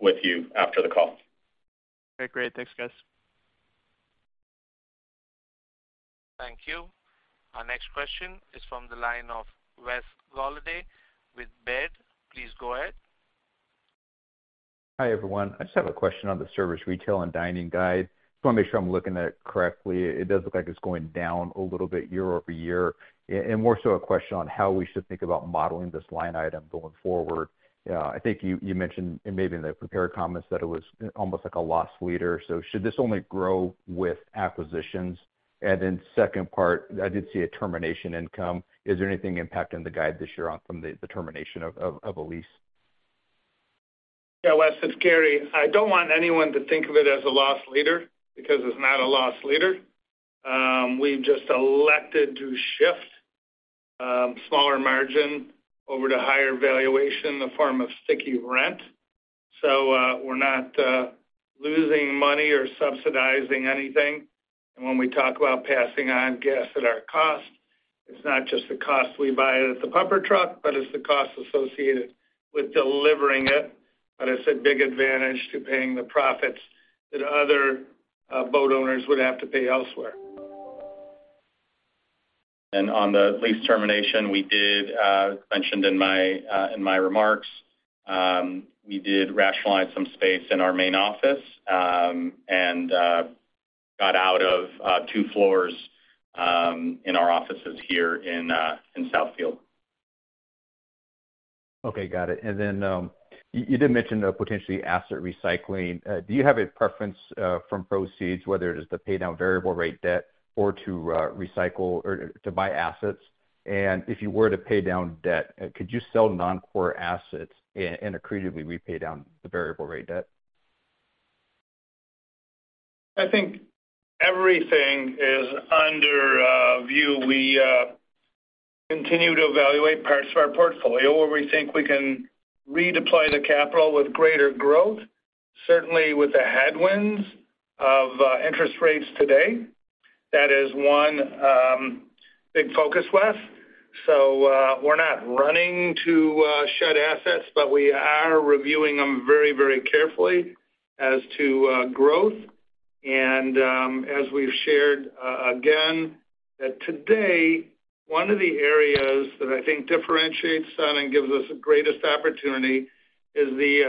with you after the call. Okay, great. Thanks, guys. Thank you. Our next question is from the line of Wes Golladay with Baird. Please go ahead. Hi, everyone. I just have a question on the service retail and dining guide. Just wanna make sure I'm looking at it correctly. It does look like it's going down a little bit year-over-year. More so a question on how we should think about modeling this line item going forward. I think you mentioned, and maybe in the prepared comments that it was almost like a loss leader. Should this only grow with acquisitions? Then second part, I did see a termination income. Is there anything impacting the guide this year on from the termination of a lease? Yeah, Wes, it's Gary. I don't want anyone to think of it as a loss leader because it's not a loss leader. We've just elected to shift smaller margin over to higher valuation in the form of sticky rent. We're not losing money or subsidizing anything. When we talk about passing on gas at our cost, it's not just the cost we buy it at the pumper truck, but it's the cost associated with delivering it. It's a big advantage to paying the profits that other boat owners would have to pay elsewhere. On the lease termination, we did mentioned in my remarks, we did rationalize some space in our main office, and got out of two floors in our offices here in Southfield. Okay. Got it. You did mention the potentially asset recycling. Do you have a preference from proceeds, whether it is to pay down variable rate debt or to recycle or to buy assets? If you were to pay down debt, could you sell non-core assets and accretively repay down the variable rate debt? I think everything is under view. We continue to evaluate parts of our portfolio where we think we can redeploy the capital with greater growth, certainly with the headwinds of interest rates today. That is one big focus, Wes. We're not running to shed assets, but we are reviewing them very, very carefully as to growth. As we've shared again, that today, one of the areas that I think differentiates us and gives us the greatest opportunity is the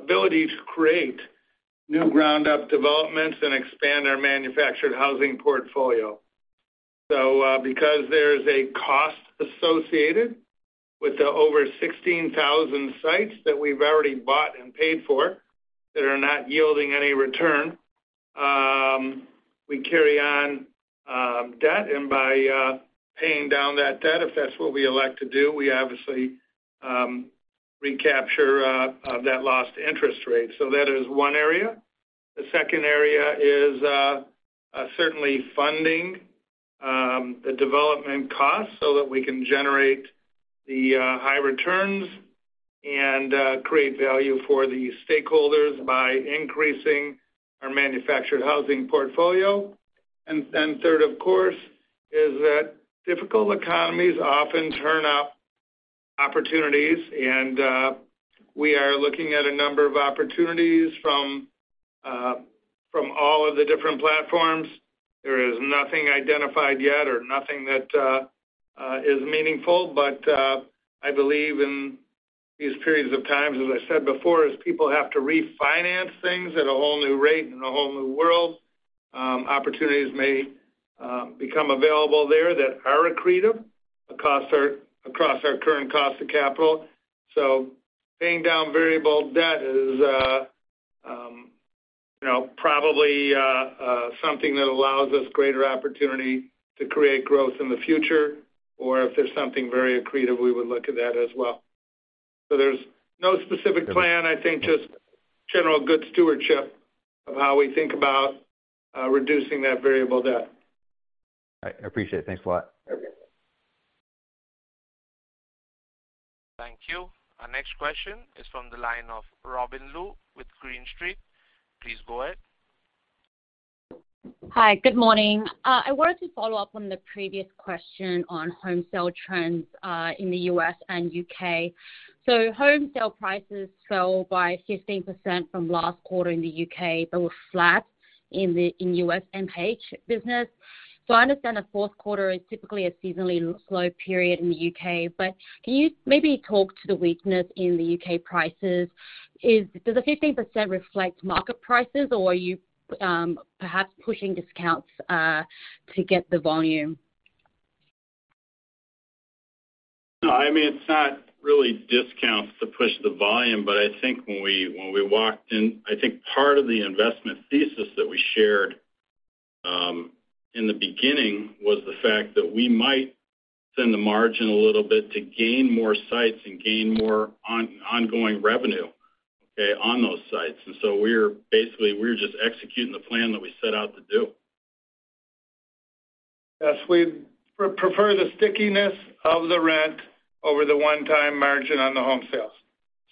ability to create new ground up developments and expand our manufactured housing portfolio. Because there's a cost associated with the over 16,000 sites that we've already bought and paid for that are not yielding any return, we carry on debt. By paying down that debt, if that's what we elect to do, we obviously recapture that lost interest rate. That is one area. The second area is certainly funding the development costs so that we can generate the high returns and create value for the stakeholders by increasing our manufactured housing portfolio. Third, of course, is that difficult economies often turn up opportunities, and we are looking at a number of opportunities from all of the different platforms. There is nothing identified yet or nothing that is meaningful, but I believe in these periods of times, as I said before, as people have to refinance things at a whole new rate in a whole new world, opportunities may become available there that are accretive across our, across our current cost of capital. Paying down variable debt is, you know, probably something that allows us greater opportunity to create growth in the future or if there's something very accretive, we would look at that as well. There's no specific plan, I think just general good stewardship of how we think about reducing that variable debt. I appreciate it. Thanks a lot. Okay. Thank you. Our next question is from the line of Robin Lu with Green Street. Please go ahead. Hi. Good morning. I wanted to follow up on the previous question on home sale trends in the U.S. and U.K. Home sale prices fell by 15% from last quarter in the U.K., but were flat in the U.S. MH business. I understand the fourth quarter is typically a seasonally slow period in the U.K., but can you maybe talk to the weakness in the U.K. prices? Does the 15% reflect market prices or are you perhaps pushing discounts to get the volume? I mean, it's not really discounts to push the volume, I think when we, when we walked in, I think part of the investment thesis that we shared in the beginning was the fact that we might send the margin a little bit to gain more sites and gain more ongoing revenue, okay, on those sites. We're basically, we're just executing the plan that we set out to do. Yes, we'd pre-prefer the stickiness of the rent over the one-time margin on the home sales.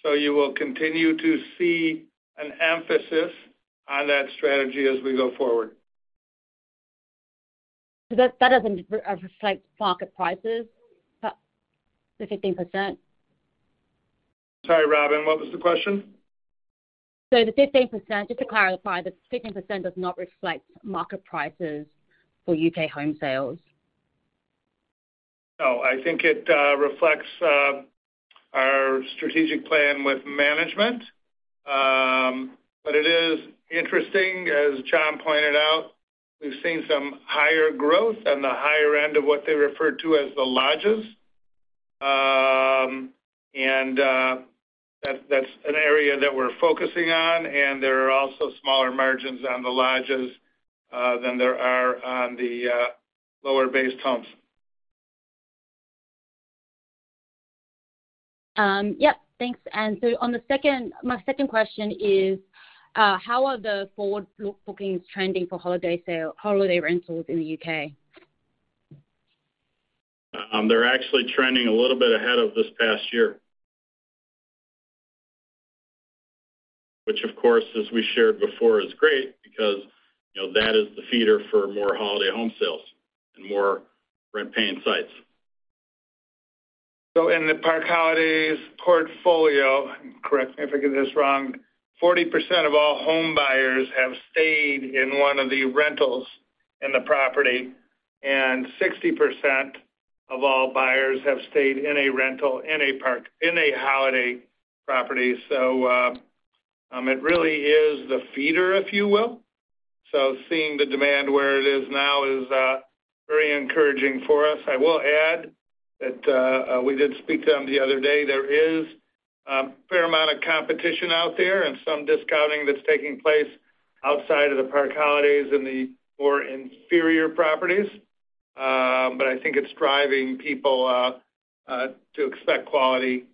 You will continue to see an emphasis on that strategy as we go forward. That doesn't re-reflect market prices, the 15%? Sorry, Robin, what was the question? The 15%, just to clarify, the 15% does not reflect market prices for U.K. home sales. No, I think it reflects our strategic plan with management. It is interesting, as John pointed out, we've seen some higher growth on the higher end of what they refer to as the lodges. That's an area that we're focusing on, and there are also smaller margins on the lodges than there are on the lower base homes. Yep. Thanks. My second question is, how are the forward bookings trending for holiday rentals in the U.K.? They're actually trending a little bit ahead of this past year. Of course, as we shared before, is great because, you know, that is the feeder for more holiday home sales and more rent-paying sites. In the Park Holidays portfolio, correct me if I get this wrong, 40% of all home buyers have stayed in one of the rentals in the property, and 60% of all buyers have stayed in a rental in a park, in a holiday property. It really is the feeder, if you will. Seeing the demand where it is now is very encouraging for us. I will add that we did speak to them the other day. There is a fair amount of competition out there and some discounting that's taking place outside of the Park Holidays in the more inferior properties. I think it's driving people to expect quality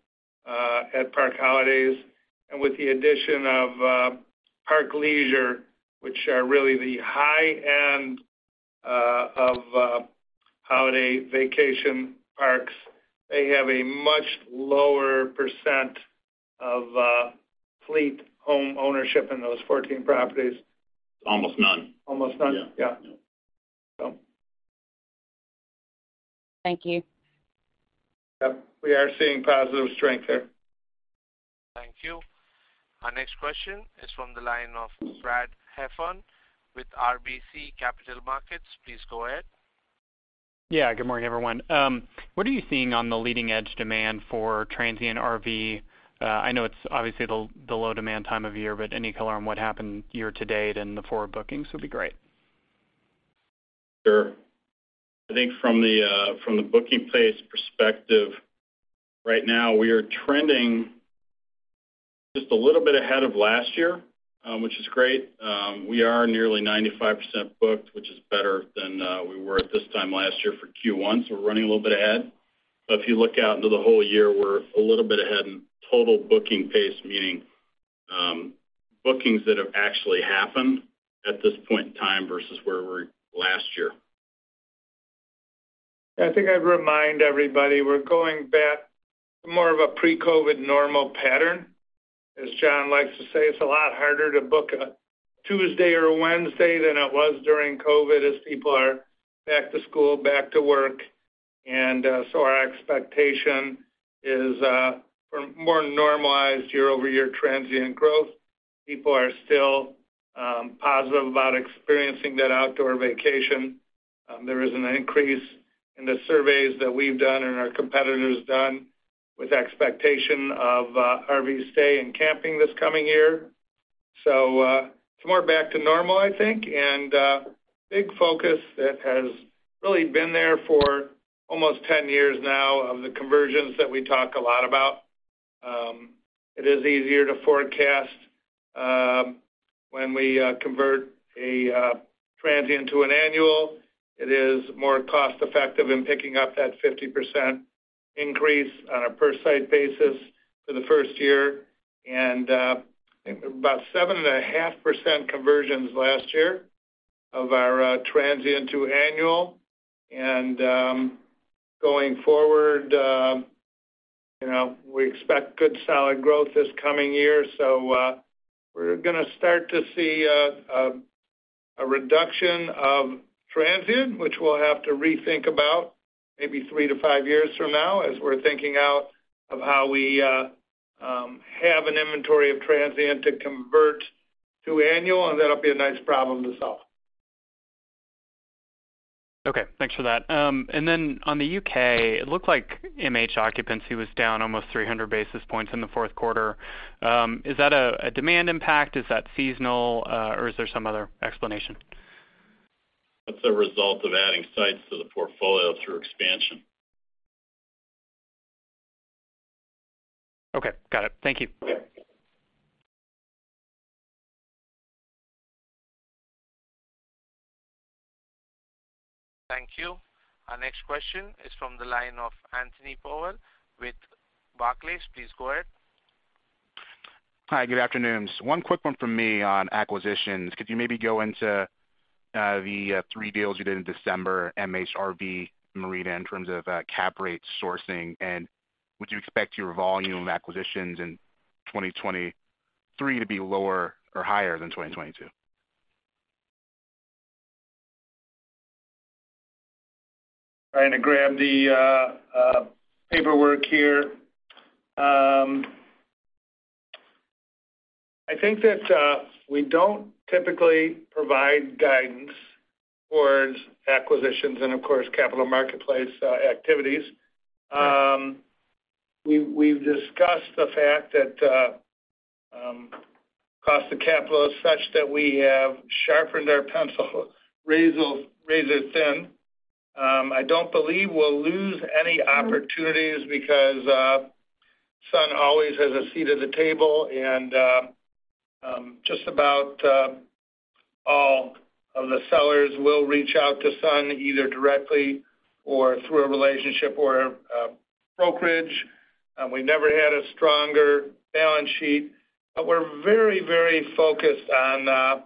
at Park Holidays. With the addition of Park Leisure, which are really the high-end of holiday vacation parks, they have a much lower percent of fleet home ownership in those 14 properties. Almost none. Almost none? Yeah. Yeah. Thank you. Yep, we are seeing positive strength there. Thank you. Our next question is from the line of Brad Heffern with RBC Capital Markets. Please go ahead. Good morning, everyone. What are you seeing on the leading edge demand for transient RV? I know it's obviously the low demand time of year, but any color on what happened year to date and the forward bookings would be great? Sure. I think from the from the booking pace perspective, right now we are trending just a little bit ahead of last year, which is great. We are nearly 95% booked, which is better than we were at this time last year for Q1, so we're running a little bit ahead. If you look out into the whole year, we're a little bit ahead in total booking pace, meaning, bookings that have actually happened at this point in time versus where we were last year. I think I'd remind everybody we're going back to more of a pre-COVID normal pattern. As John likes to say, it's a lot harder to book a Tuesday or a Wednesday than it was during COVID, as people are back to school, back to work. Our expectation is for more normalized year-over-year transient growth. People are still positive about experiencing that outdoor vacation. There is an increase in the surveys that we've done and our competitors done with expectation of RV stay and camping this coming year. It's more back to normal, I think. Big focus that has really been there for almost 10 years now of the conversions that we talk a lot about. It is easier to forecast when we convert a transient to an annual. It is more cost-effective in picking up that 50% increase on a per site basis for the first year. About 7.5% conversions last year of our transient to annual. Going forward, you know, we expect good solid growth this coming year, so we're gonna start to see a reduction of transient, which we'll have to rethink about maybe three to five years from now, as we're thinking out of how we have an inventory of transient to convert to annual, and that'll be a nice problem to solve. Okay, thanks for that. On the UK, it looked like MH occupancy was down almost 300 basis points in the fourth quarter. Is that a demand impact? Is that seasonal, or is there some other explanation? That's a result of adding sites to the portfolio through expansion. Okay, got it. Thank you. Okay. Thank you. Our next question is from the line of Anthony Powell with Barclays. Please go ahead. Hi, good afternoon. One quick one from me on acquisitions. Could you maybe go into the 3 deals you did in December, MHRV, Marina, in terms of cap rate sourcing? Would you expect your volume of acquisitions in 2023 to be lower or higher than 2022? Trying to grab the paperwork here. I think that we don't typically provide guidance towards acquisitions and of course, capital marketplace activities. We've discussed the fact that cost of capital is such that we have sharpened our pencil razor thin. I don't believe we'll lose any opportunities because Sun always has a seat at the table, and just about all of the sellers will reach out to Sun, either directly or through a relationship or a brokerage. We never had a stronger balance sheet. We're very, very focused on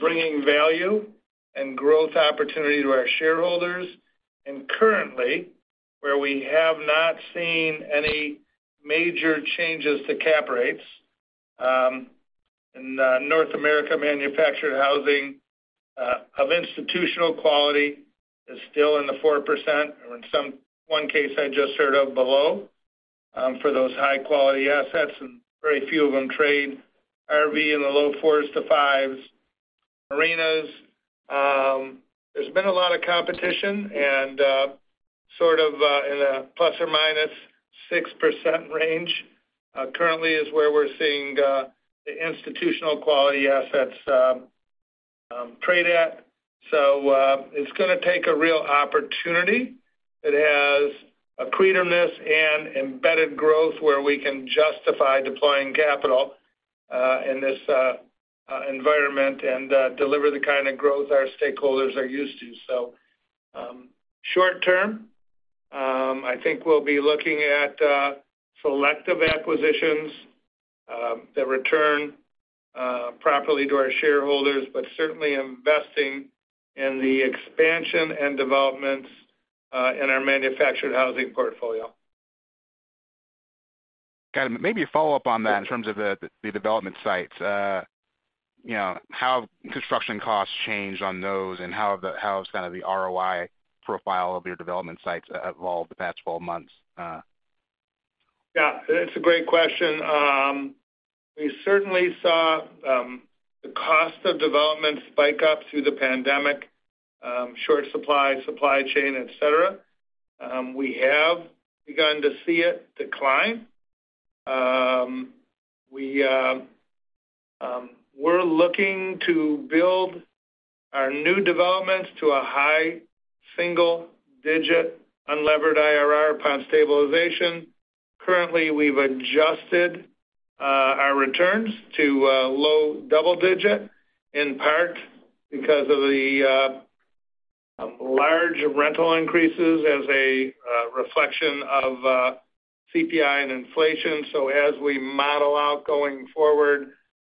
bringing value and growth opportunity to our shareholders. Currently, where we have not seen any major changes to cap rates, in the North America manufactured housing of institutional quality is still in the 4%, or in one case I just heard of below, for those high-quality assets, and very few of them trade RV in the low 4%-5%. Marinas, there's been a lot of competition and sort of in a ±6% range, currently is where we're seeing the institutional quality assets trade at. It's gonna take a real opportunity that has accretiveness and embedded growth where we can justify deploying capital in this environment and deliver the kind of growth our stakeholders are used to. Short term, I think we'll be looking at selective acquisitions that return properly to our shareholders, but certainly investing in the expansion and developments in our manufactured housing portfolio. Got it. Maybe a follow-up on that in terms of the development sites. you know, how have construction costs changed on those, and how has kind of the ROI profile of your development sites evolved the past 12 months? Yeah, it's a great question. We certainly saw the cost of development spike up through the pandemic, short supply chain, et cetera. We have begun to see it decline. We're looking to build our new developments to a high single-digit unlevered IRR upon stabilization. Currently, we've adjusted our returns to low double-digit, in part because of the large rental increases as a reflection of CPI and inflation. As we model out going forward,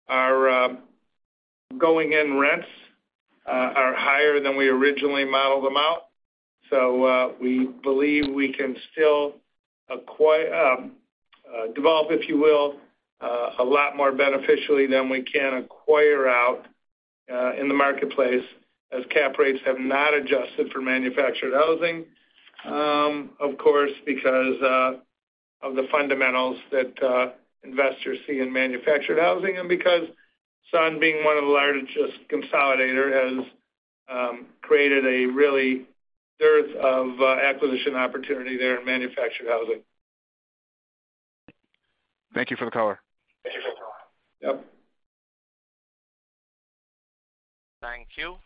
our going in rents originally modeled them out. We believe we can still acquire, develop, if you will, a lot more beneficially than we can acquire out in the marketplace, as cap rates have not adjusted for manufactured housing. Of course, because of the fundamentals that investors see in manufactured housing and because Sun being one of the largest consolidator has created a really dearth of acquisition opportunity there in manufactured housing. Thank you for the color. Thank you for the color. Yep. Thank you.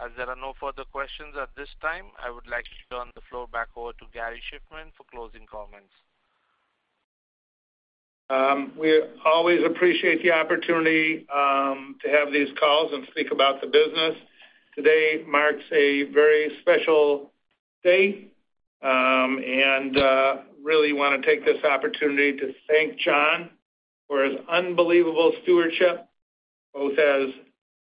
As there are no further questions at this time, I would like to turn the floor back over to Gary Shiffman for closing comments. We always appreciate the opportunity to have these calls and speak about the business. Today marks a very special day, and really wanna take this opportunity to thank John McLaren for his unbelievable stewardship, both as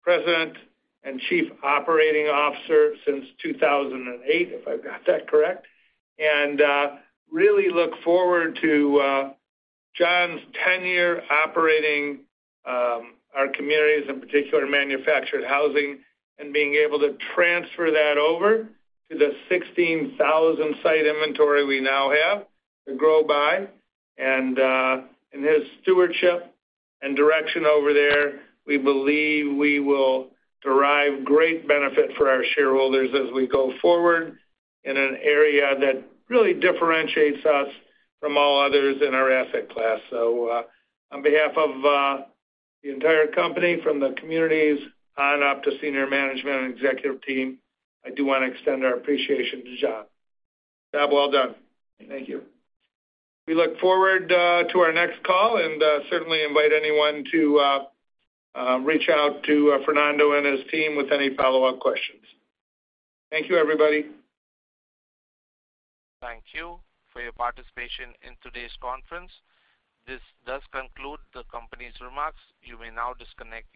President and Chief Operating Officer since 2008, if I've got that correct. Really look forward to John McLaren's tenure operating our communities, in particular manufactured housing, and being able to transfer that over to the 16,000 site inventory we now have to grow by. In his stewardship and direction over there, we believe we will derive great benefit for our shareholders as we go forward in an area that really differentiates us from all others in our asset class. On behalf of the entire company from The Communities on up to senior management and executive team, I do wanna extend our appreciation to John. Job well done. Thank you. We look forward to our next call and certainly invite anyone to reach out to Fernando and his team with any follow-up questions. Thank you, everybody. Thank you for your participation in today's conference. This does conclude the company's remarks. You may now disconnect.